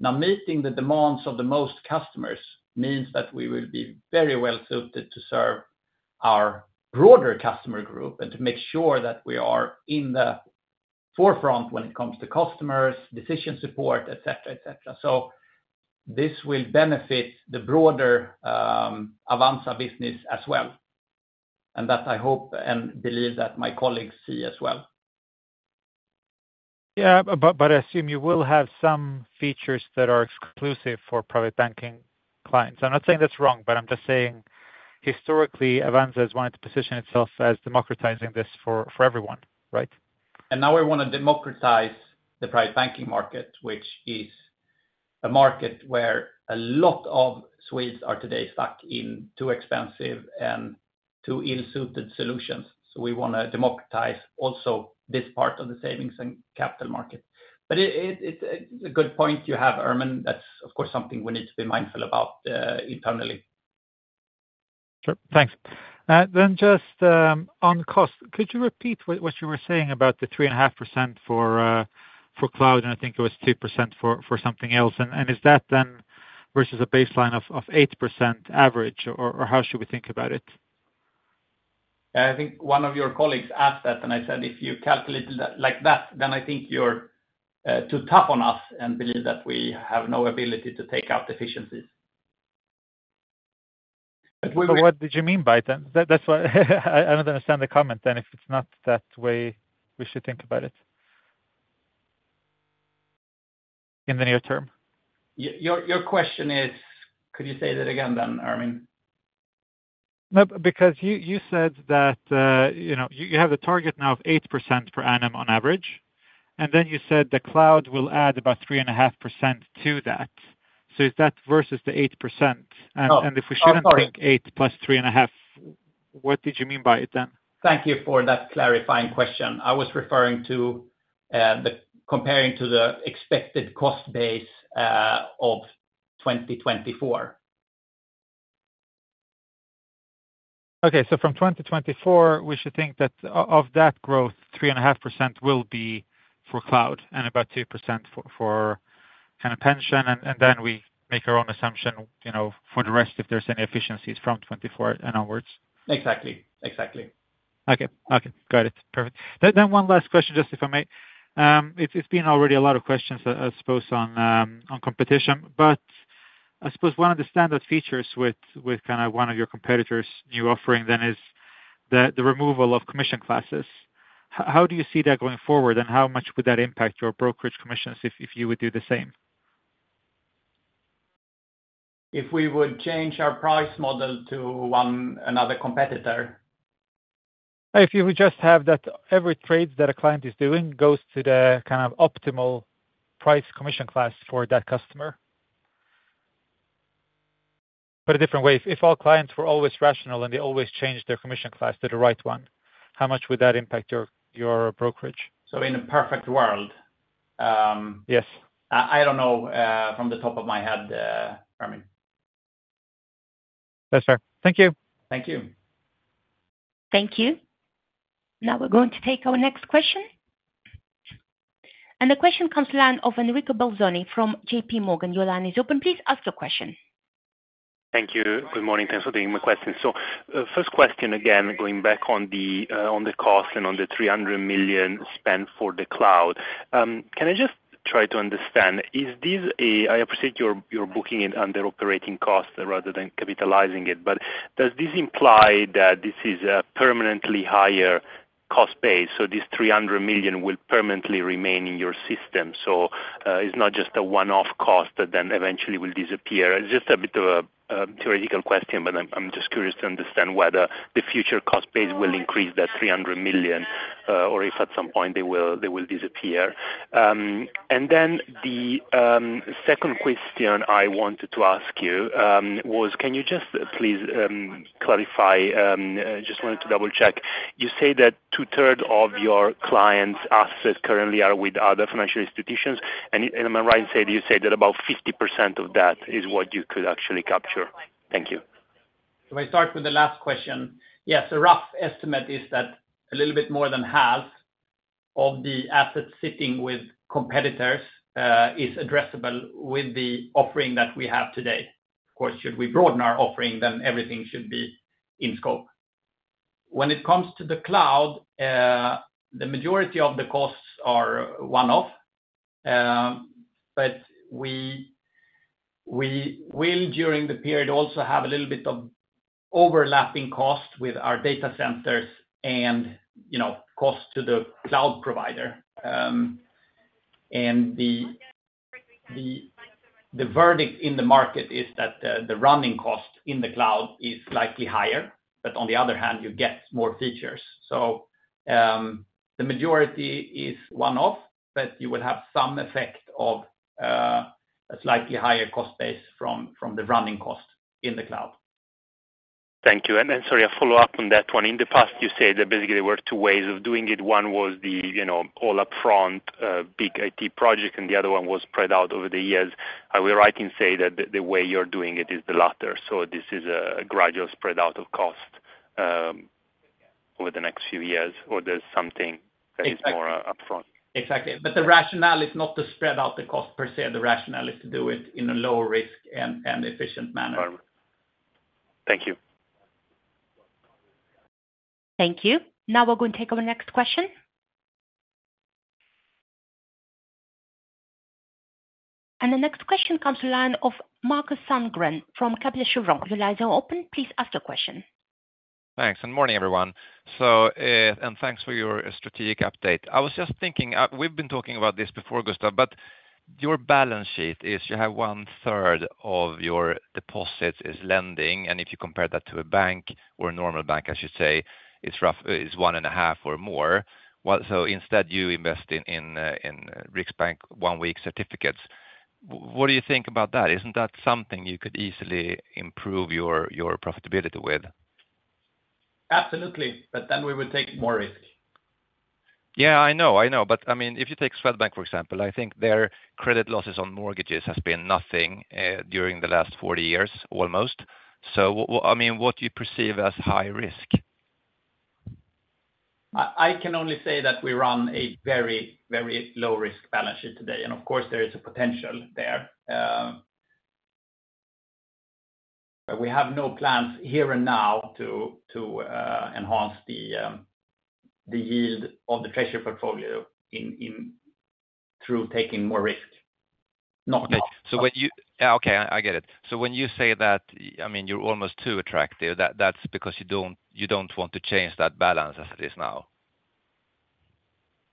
Now, meeting the demands of the most customers means that we will be very well suited to serve our broader customer group and to make sure that we are in the forefront when it comes to customers, decision support, et cetera, et cetera. So this will benefit the broader Avanza business as well, and that I hope and believe that my colleagues see as well. Yeah, but I assume you will have some features that are exclusive for private banking clients. I'm not saying that's wrong, but I'm just saying historically, Avanza has wanted to position itself as democratizing this for everyone, right? And now we wanna democratize the Private Banking market, which is a market where a lot of Swedes are today stuck in too expensive and too ill-suited solutions. So we wanna democratize also this part of the savings and capital market. But it, it's a good point you have, Ermin. That's, of course, something we need to be mindful about internally. Sure. Thank you. Then just on cost, could you repeat what you were saying about the 3.5% for cloud? And I think it was 2% for something else. And is that then versus a baseline of 8% average, or how should we think about it? I think one of your colleagues asked that, and I said: If you calculate it like that, then I think you're too tough on us and believe that we have no ability to take out efficiencies. What did you mean by it then? That's why I don't understand the comment then, if it's not that way we should think about it... In the near term. Your question is? Could you say that again then, Ermin? No, because you said that, you know, you have a target now of 8% per annum on average, and then you said the cloud will add about 3.5% to that. So is that versus the 8%? Oh. And if we shouldn't- Oh, sorry. -think eight plus three and a half, what did you mean by it then? Thank you for that clarifying question. I was referring to comparing to the expected cost base of 2024. Okay. So from 2024, we should think that of that growth, 3.5% will be for cloud and about 2% for kind of pension, and then we make our own assumption, you know, for the rest, if there's any efficiencies from 2024 and onwards. Exactly. Exactly. Okay. Okay, got it. Perfect. Then one last question, just if I may. It's been already a lot of questions, I suppose on competition, but I suppose one of the standard features with kind of one of your competitors' new offering then is the removal of commission classes. How do you see that going forward, and how much would that impact your brokerage commissions if you would do the same? If we would change our price model to one... Another competitor? If you would just have that, every trade that a client is doing goes to the kind of optimal price commission class for that customer. But a different way, if all clients were always rational, and they always changed their commission class to the right one, how much would that impact your, your brokerage? So in a perfect world, Yes. I don't know, from the top of my head, Ermin. That's fair. Thank you. Thank you. Thank you. Now we're going to take our next question. And the question comes from the line of Enrico Bolzoni from J.P. Morgan. Your line is open. Please ask your question. Thank you. Good morning. Thanks for taking my question. So, first question again, going back on the cost and on the 300 million SEK spent for the cloud. Can I just try to understand? Is this a, I appreciate you're booking it under operating costs rather than capitalizing it, but does this imply that this is a permanently higher cost base, so this 300 million SEK will permanently remain in your system? So, it's not just a one-off cost that then eventually will disappear. It's just a bit of a theoretical question, but I'm just curious to understand whether the future cost base will increase that 300 million SEK, or if at some point they will disappear. And then the second question I wanted to ask you was, can you just please clarify. I just wanted to double-check. You say that two-thirds of your clients' assets currently are with other financial institutions, and am I right to say that you say that about 50% of that is what you could actually capture? Thank you. So I start with the last question. Yes, a rough estimate is that a little bit more than half of the assets sitting with competitors is addressable with the offering that we have today. Of course, should we broaden our offering, then everything should be in scope. When it comes to the cloud, the majority of the costs are one-off, but we will, during the period, also have a little bit of overlapping costs with our data centers and, you know, costs to the cloud provider. And the verdict in the market is that the running cost in the cloud is slightly higher, but on the other hand, you get more features. So, the majority is one-off, but you will have some effect of a slightly higher cost base from the running costs in the cloud. Thank you. And then, sorry, a follow-up on that one. In the past, you said that basically there were two ways of doing it. One was the, you know, all upfront big IT project, and the other one was spread out over the years. Are we right in saying that the way you're doing it is the latter? So this is a gradual spread out of cost over the next few years, or there's something- Exactly. -more upfront? Exactly. But the rationale is not to spread out the cost per se. The rationale is to do it in a lower risk and efficient manner. Thank you. Thank you. Now we're going to take our next question. The next question comes from the line of Markus Sandgren from Kepler Cheuvreux. The lines are open, please ask your question. Thanks, and good morning, everyone. Thanks for your strategic update. I was just thinking, we've been talking about this before, Gustav, but your balance sheet is you have one-third of your deposits is lending, and if you compare that to a bank, or a normal bank, I should say, it's roughly it's one and a half or more. So instead, you invest in Riksbank one-week certificates. What do you think about that? Isn't that something you could easily improve your profitability with? Absolutely, but then we would take more risk. Yeah, I know, I know. But I mean, if you take Swedbank, for example, I think their credit losses on mortgages has been nothing during the last forty years, almost. So I mean, what do you perceive as high risk? I can only say that we run a very, very low-risk balance sheet today, and of course there is a potential there. But we have no plans here and now to enhance the yield of the treasury portfolio through taking more risk. Not now. So when you say that, I mean, you're almost too attractive, that's because you don't want to change that balance as it is now?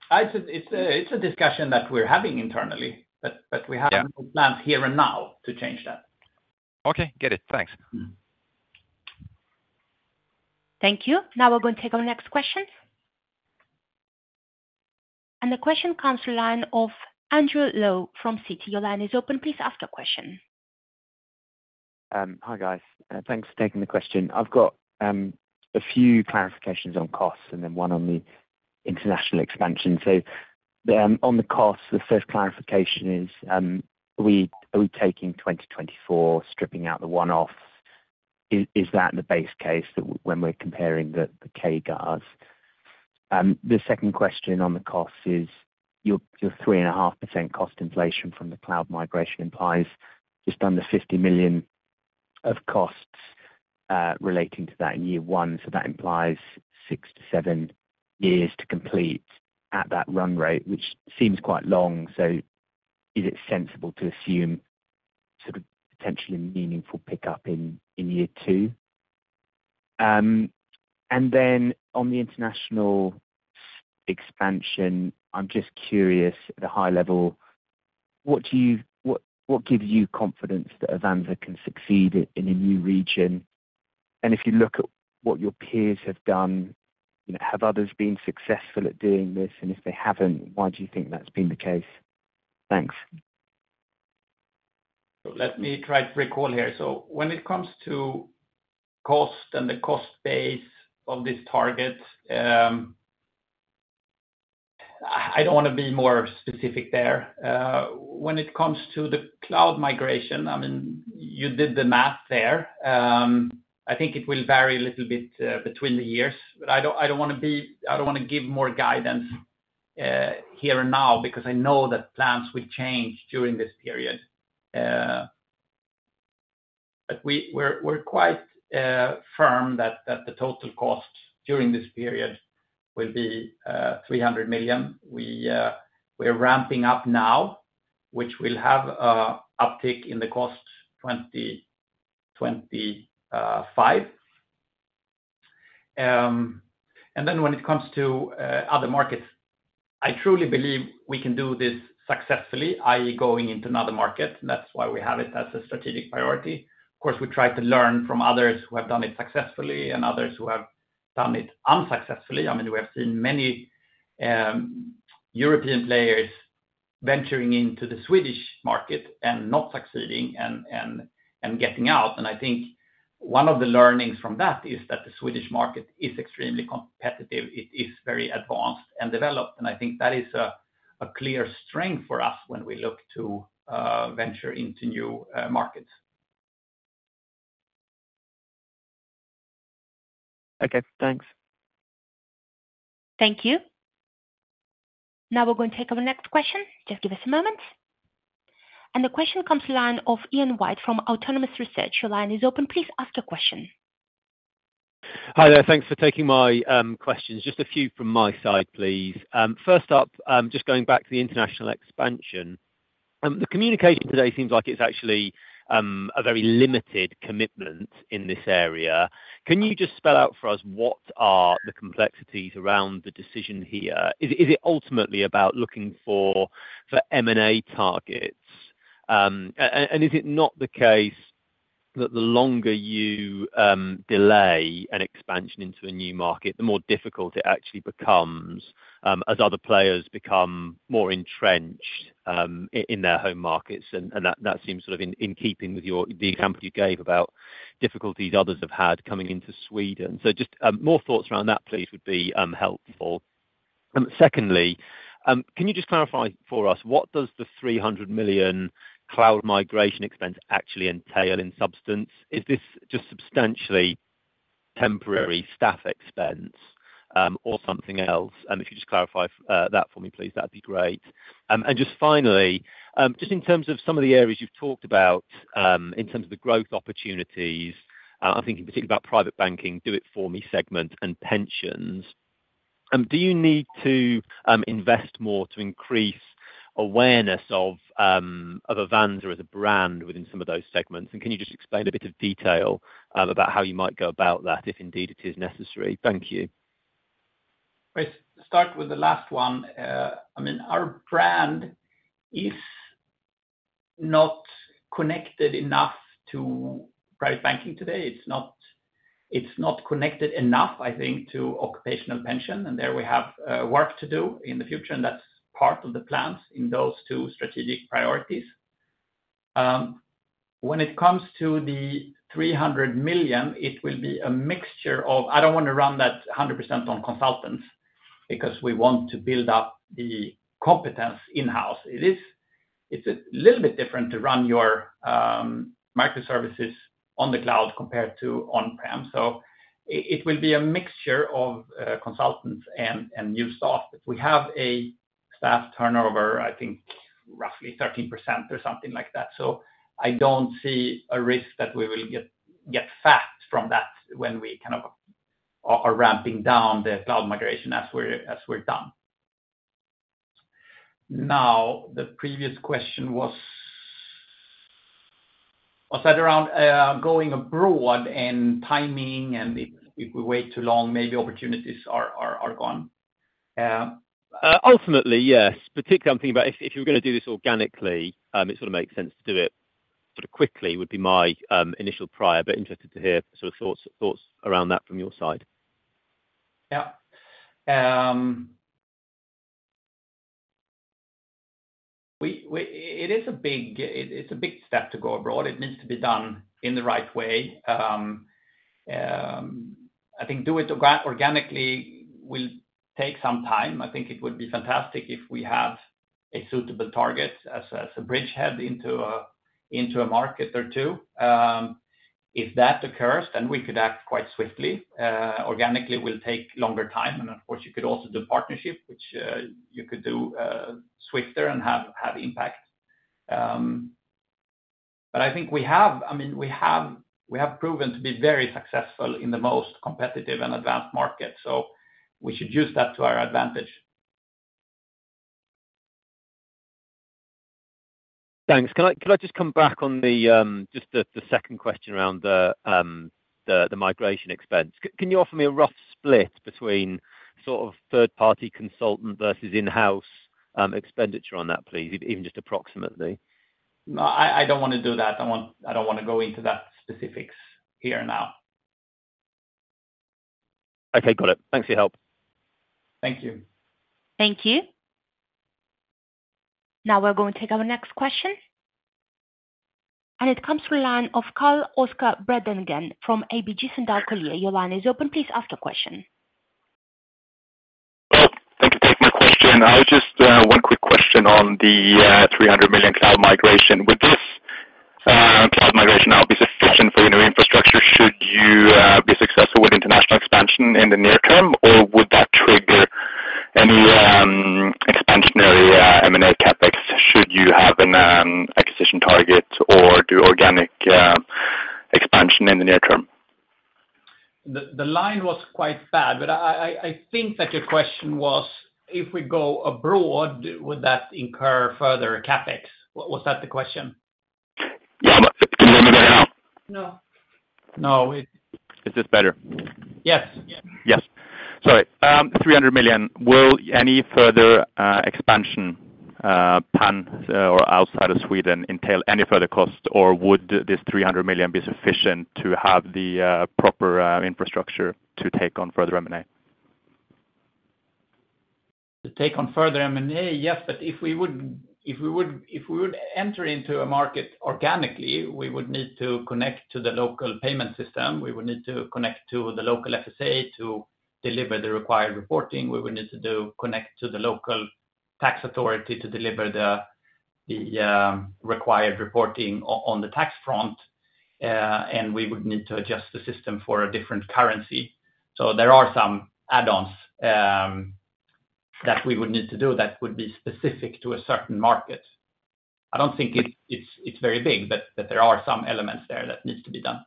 I'd say it's a discussion that we're having internally. Yeah. But, we have no plans here and now to change that. Okay, get it. Thanks. Thank you. Now we're going to take our next question, and the question comes through the line of Andrew Lowe from Citi. Your line is open. Please ask your question. Hi, guys. Thanks for taking the question. I've got a few clarifications on costs and then one on the international expansion. So, on the cost, the first clarification is, are we taking 2024, stripping out the one-off? Is that in the base case when we're comparing the CAGRs? The second question on the cost is, your 3.5% cost inflation from the cloud migration implies just under 50 million of costs relating to that in year one, so that implies 6-7 years to complete at that run rate, which seems quite long. So is it sensible to assume sort of potentially meaningful pickup in year two? And then on the international expansion, I'm just curious, at a high level, what do you... What gives you confidence that Avanza can succeed in a new region? And if you look at what your peers have done, you know, have others been successful at doing this? And if they haven't, why do you think that's been the case? Thanks. Let me try to recall here. So when it comes to cost and the cost base of this target, I don't want to be more specific there. When it comes to the cloud migration, I mean, you did the math there. I think it will vary a little bit between the years, but I don't want to give more guidance here and now, because I know that plans will change during this period. But we're quite firm that the total costs during this period will be 300 million. We are ramping up now, which will have an uptick in the costs 2025. And then when it comes to other markets, I truly believe we can do this successfully, i.e., going into another market. That's why we have it as a strategic priority. Of course, we try to learn from others who have done it successfully and others who have done it unsuccessfully. I mean, we have seen many European players venturing into the Swedish market and not succeeding and getting out, and I think one of the learnings from that is that the Swedish market is extremely competitive. It is very advanced and developed, and I think that is a clear strength for us when we look to venture into new markets. Okay, thanks. Thank you. Now we're going to take our next question. Just give us a moment, and the question comes to line of Ian White from Autonomous Research. Your line is open. Please ask your question. Hi there. Thanks for taking my questions. Just a few from my side, please. First up, just going back to the international expansion. The communication today seems like it's actually a very limited commitment in this area. Can you just spell out for us what are the complexities around the decision here? Is it ultimately about looking for M&A targets? And is it not the case that the longer you delay an expansion into a new market, the more difficult it actually becomes, as other players become more entrenched in their home markets? And that seems sort of in keeping with the example you gave about difficulties others have had coming into Sweden. So just more thoughts around that, please, would be helpful. Secondly, can you just clarify for us what does the 300 million cloud migration expense actually entail in substance? Is this just substantial temporary staff expense, or something else? And if you just clarify that for me, please, that'd be great. And just finally, just in terms of some of the areas you've talked about, in terms of the growth opportunities, I'm thinking particularly about Private Banking, do-it-for-me segment and pensions. Do you need to invest more to increase awareness of Avanza as a brand within some of those segments? And can you just explain a bit of detail about how you might go about that, if indeed it is necessary? Thank you. Let's start with the last one. I mean, our brand is not connected enough to private banking today. It's not, it's not connected enough, I think, to occupational pension, and there we have work to do in the future, and that's part of the plans in those two strategic priorities. When it comes to the 300 million, it will be a mixture of. I don't want to run that 100% on consultants, because we want to build up the competence in-house. It is, it's a little bit different to run your microservices on the cloud compared to on-prem. So it will be a mixture of consultants and new software. We have a staff turnover, I think, roughly 13% or something like that, so I don't see a risk that we will get fat from that when we kind of are ramping down the cloud migration as we're done. Now, the previous question was that around going abroad and timing, and if we wait too long, maybe opportunities are gone? Ultimately, yes. Particularly I'm thinking about if you're gonna do this organically. It sort of makes sense to do it sort of quickly. Would be my initial prior, but interested to hear sort of thoughts around that from your side. Yeah. It is a big step to go abroad. It needs to be done in the right way. I think do it organically will take some time. I think it would be fantastic if we have a suitable target as a bridgehead into a market or two. If that occurs, then we could act quite swiftly. Organically will take longer time, and of course, you could also do partnership, which you could do swifter and have impact. But I think we have... I mean, we have proven to be very successful in the most competitive and advanced markets, so we should use that to our advantage. Thanks. Can I just come back on the second question around the migration expense? Can you offer me a rough split between sort of third-party consultant versus in-house expenditure on that, please, even just approximately? No, I don't wanna do that. I want, I don't wanna go into that specifics here now. Okay, got it. Thanks for your help. Thank you. Thank you. Now we're going to take our next question, and it comes from the line of Carl-Oscar Bredengen from ABG Sundal Collier. Your line is open, please ask your question. Oh, thank you for taking my question. I was just one quick question on the 300 million cloud migration. Would this cloud migration now be sufficient for your new infrastructure, should you be successful with international expansion in the near term? Or would that trigger any expansionary M&A CapEx, should you have an acquisition target or do organic expansion in the near term? The line was quite bad, but I think that your question was, if we go abroad, would that incur further CapEx? Was that the question? Yeah, No. No, it- Is this better? Yes. Yeah. Yes. Sorry. 300 million, will any further expansion planned or outside of Sweden entail any further costs, or would this 300 million be sufficient to have the proper infrastructure to take on further M&A? To take on further M&A, yes, but if we would enter into a market organically, we would need to connect to the local payment system. We would need to connect to the local FSA to deliver the required reporting. We would need to connect to the local tax authority to deliver the required reporting on the tax front. And we would need to adjust the system for a different currency. There are some add-ons that we would need to do that would be specific to a certain market. I don't think it's very big, but there are some elements there that needs to be done.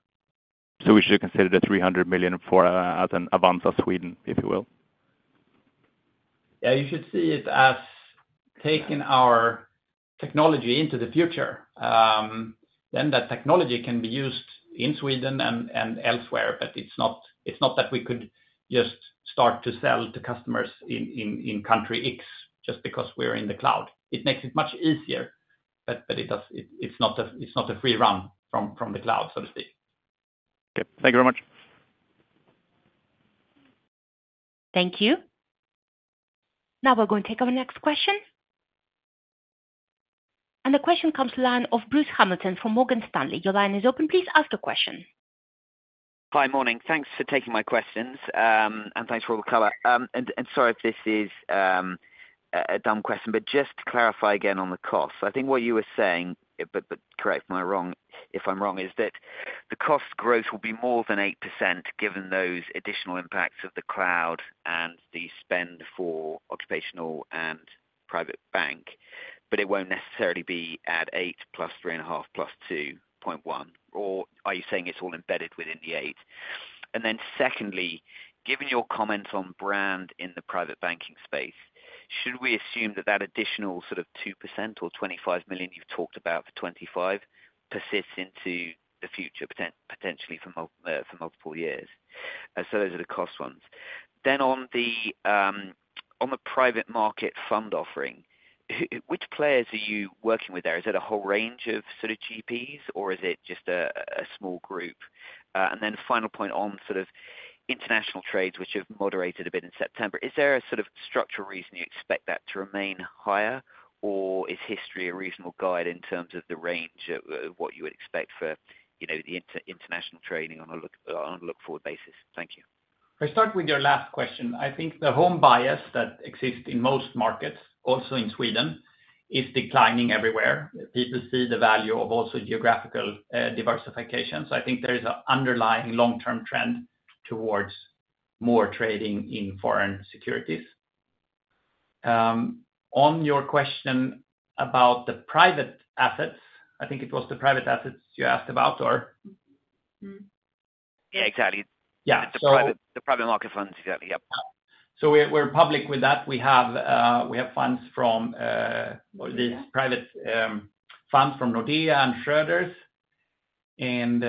So we should consider the 300 million for, as an advance of Sweden, if you will? Yeah, you should see it as taking our technology into the future, then that technology can be used in Sweden and elsewhere, but it's not that we could just start to sell to customers in country X just because we're in the cloud. It makes it much easier, but it does. It's not a free run from the cloud, so to speak. Okay, thank you very much. Thank you. Now we're going to take our next question. The question comes from the line of Bruce Hamilton from Morgan Stanley. Your line is open, please ask the question. Hi, morning. Thanks for taking my questions, and thanks for all the color. And sorry if this is a dumb question, but just to clarify again on the cost. I think what you were saying, but correct me if I'm wrong, is that the cost growth will be more than 8%, given those additional impacts of the cloud and the spend for occupational and private bank, but it won't necessarily be at 8 plus 3.5, plus 2.1, or are you saying it's all embedded within the 8? And then secondly, given your comments on brand in the private banking space, should we assume that that additional sort of 2% or 25 million you've talked about for 2025, persists into the future, potentially for multiple years? And so those are the cost ones. Then on the private market fund offering, who, which players are you working with there? Is it a whole range of sort of GPs, or is it just a small group? And then the final point on sort of international trades, which have moderated a bit in September. Is there a sort of structural reason you expect that to remain higher? Or is history a reasonable guide in terms of the range of what you would expect for, you know, the international trading on a look-forward basis? Thank you. I'll start with your last question. I think the home bias that exists in most markets, also in Sweden, is declining everywhere. People see the value of also geographical diversification. So I think there is an underlying long-term trend towards more trading in foreign securities. On your question about the private assets, I think it was the private assets you asked about, or? Mm-hmm. Yeah, exactly. Yeah, so- The private market funds, exactly. Yep. So we're public with that. We have funds from, well, the private funds from Nordea and Schroders, and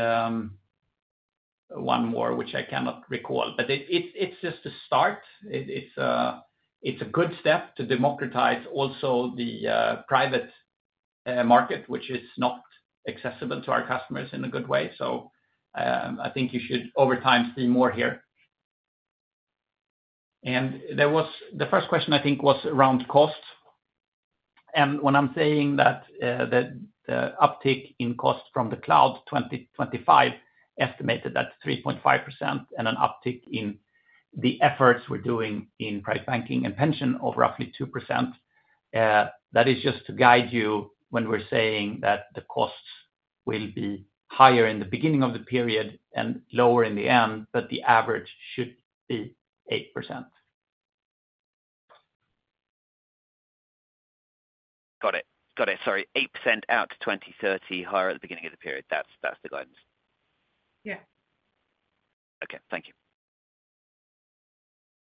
one more, which I cannot recall. But it's just a start. It's a good step to democratize also the private market, which is not accessible to our customers in a good way. So I think you should, over time, see more here. And there was... The first question, I think, was around costs. When I'm saying that, the uptick in costs from the cloud 2025, estimated at 3.5%, and an uptick in the efforts we're doing in Private Banking and pension of roughly 2%, that is just to guide you when we're saying that the costs will be higher in the beginning of the period and lower in the end, but the average should be 8%. Got it. Got it. Sorry, 8% out to 2030, higher at the beginning of the period. That's, that's the guidance? Yeah. Okay. Thank you.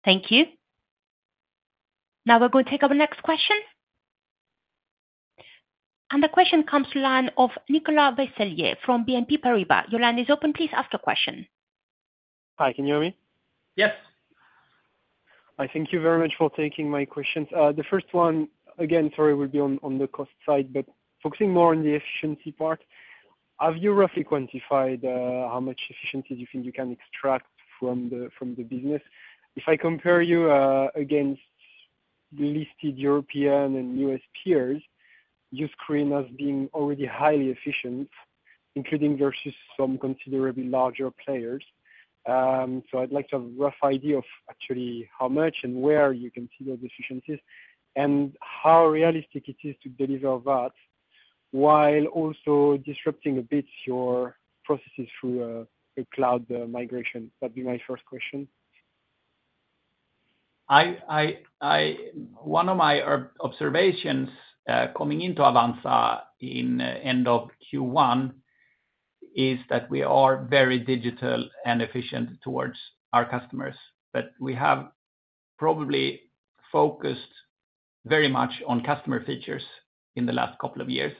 Thank you. Now we're going to take our next question. And the question comes from the line of Nicolas Vaysselier from BNP Paribas. Your line is open. Please ask your question. Hi, can you hear me? Yes. Hi, thank you very much for taking my questions. The first one, again, sorry, will be on the cost side, but focusing more on the efficiency part. Have you roughly quantified how much efficiency you think you can extract from the business? If I compare you against the listed European and U.S. peers, you screen as being already highly efficient, including versus some considerably larger players. So I'd like to have a rough idea of actually how much and where you can see those efficiencies, and how realistic it is to deliver that, while also disrupting a bit your processes through a cloud migration. That'd be my first question. One of my observations coming into Avanza at the end of Q1 is that we are very digital and efficient towards our customers. But we have probably focused very much on customer features in the last couple of years,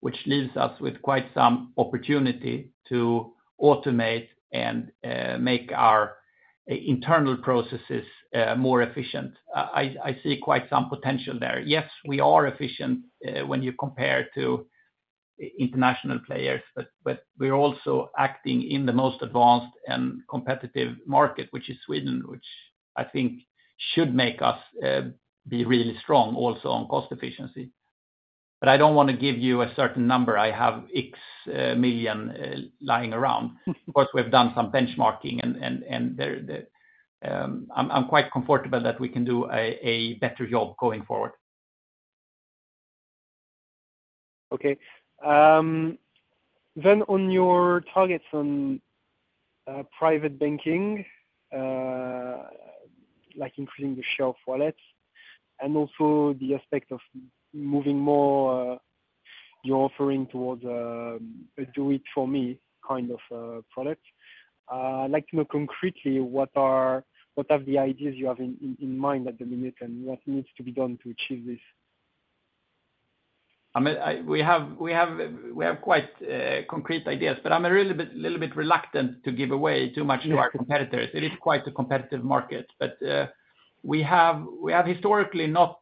which leaves us with quite some opportunity to automate and make our internal processes more efficient. I see quite some potential there. Yes, we are efficient when you compare to international players, but we're also acting in the most advanced and competitive market, which is Sweden, which I think should make us be really strong also on cost efficiency. But I don't want to give you a certain number, I have X million lying around. Of course, we've done some benchmarking and there, the... I'm quite comfortable that we can do a better job going forward. Okay. Then on your targets on Private Banking, like increasing the share of wallets, and also the aspect of moving more your offering towards a do-it-for-me kind of product, I'd like to know concretely, what are the ideas you have in mind at the minute and what needs to be done to achieve this? I mean, we have quite concrete ideas, but I'm a little bit reluctant to give away too much to our competitors. It is quite a competitive market. But, we have historically not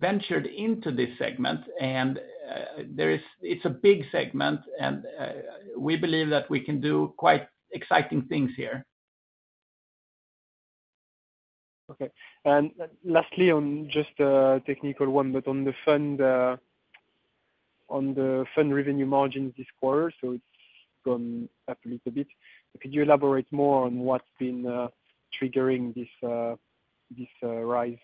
ventured into this segment, and, there is. It's a big segment, and, we believe that we can do quite exciting things here. Okay. And lastly, on just a technical one, but on the fund revenue margins this quarter, so it's gone up a little bit. Could you elaborate more on what's been triggering this rise?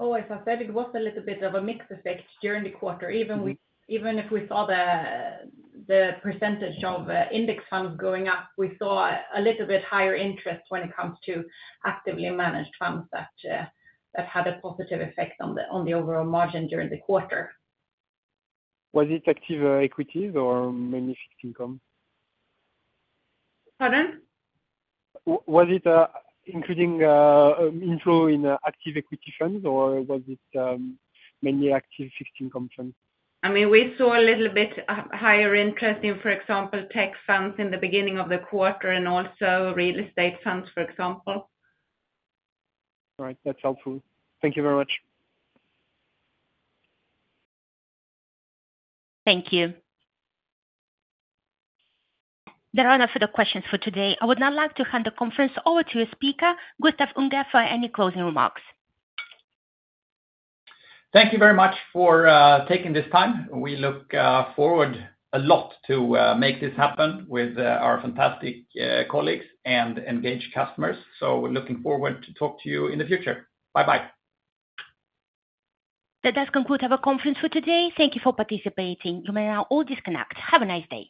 Oh, as I said, it was a little bit of a mixed effect during the quarter. Even we- Mm. Even if we saw the percentage of index funds going up, we saw a little bit higher interest when it comes to actively managed funds that had a positive effect on the overall margin during the quarter. Was it active equities or mainly fixed income? Pardon? Was it including inflow into active equity funds, or was it mainly active fixed income funds? I mean, we saw a little bit higher interest in, for example, tech funds in the beginning of the quarter and also real estate funds, for example. All right. That's helpful. Thank you very much. Thank you. There are no further questions for today. I would now like to hand the conference over to your speaker, Gustav Unger, for any closing remarks. Thank you very much for taking this time. We look forward a lot to make this happen with our fantastic colleagues and engaged customers. So we're looking forward to talk to you in the future. Bye-bye. That does conclude our conference for today. Thank you for participating. You may now all disconnect. Have a nice day.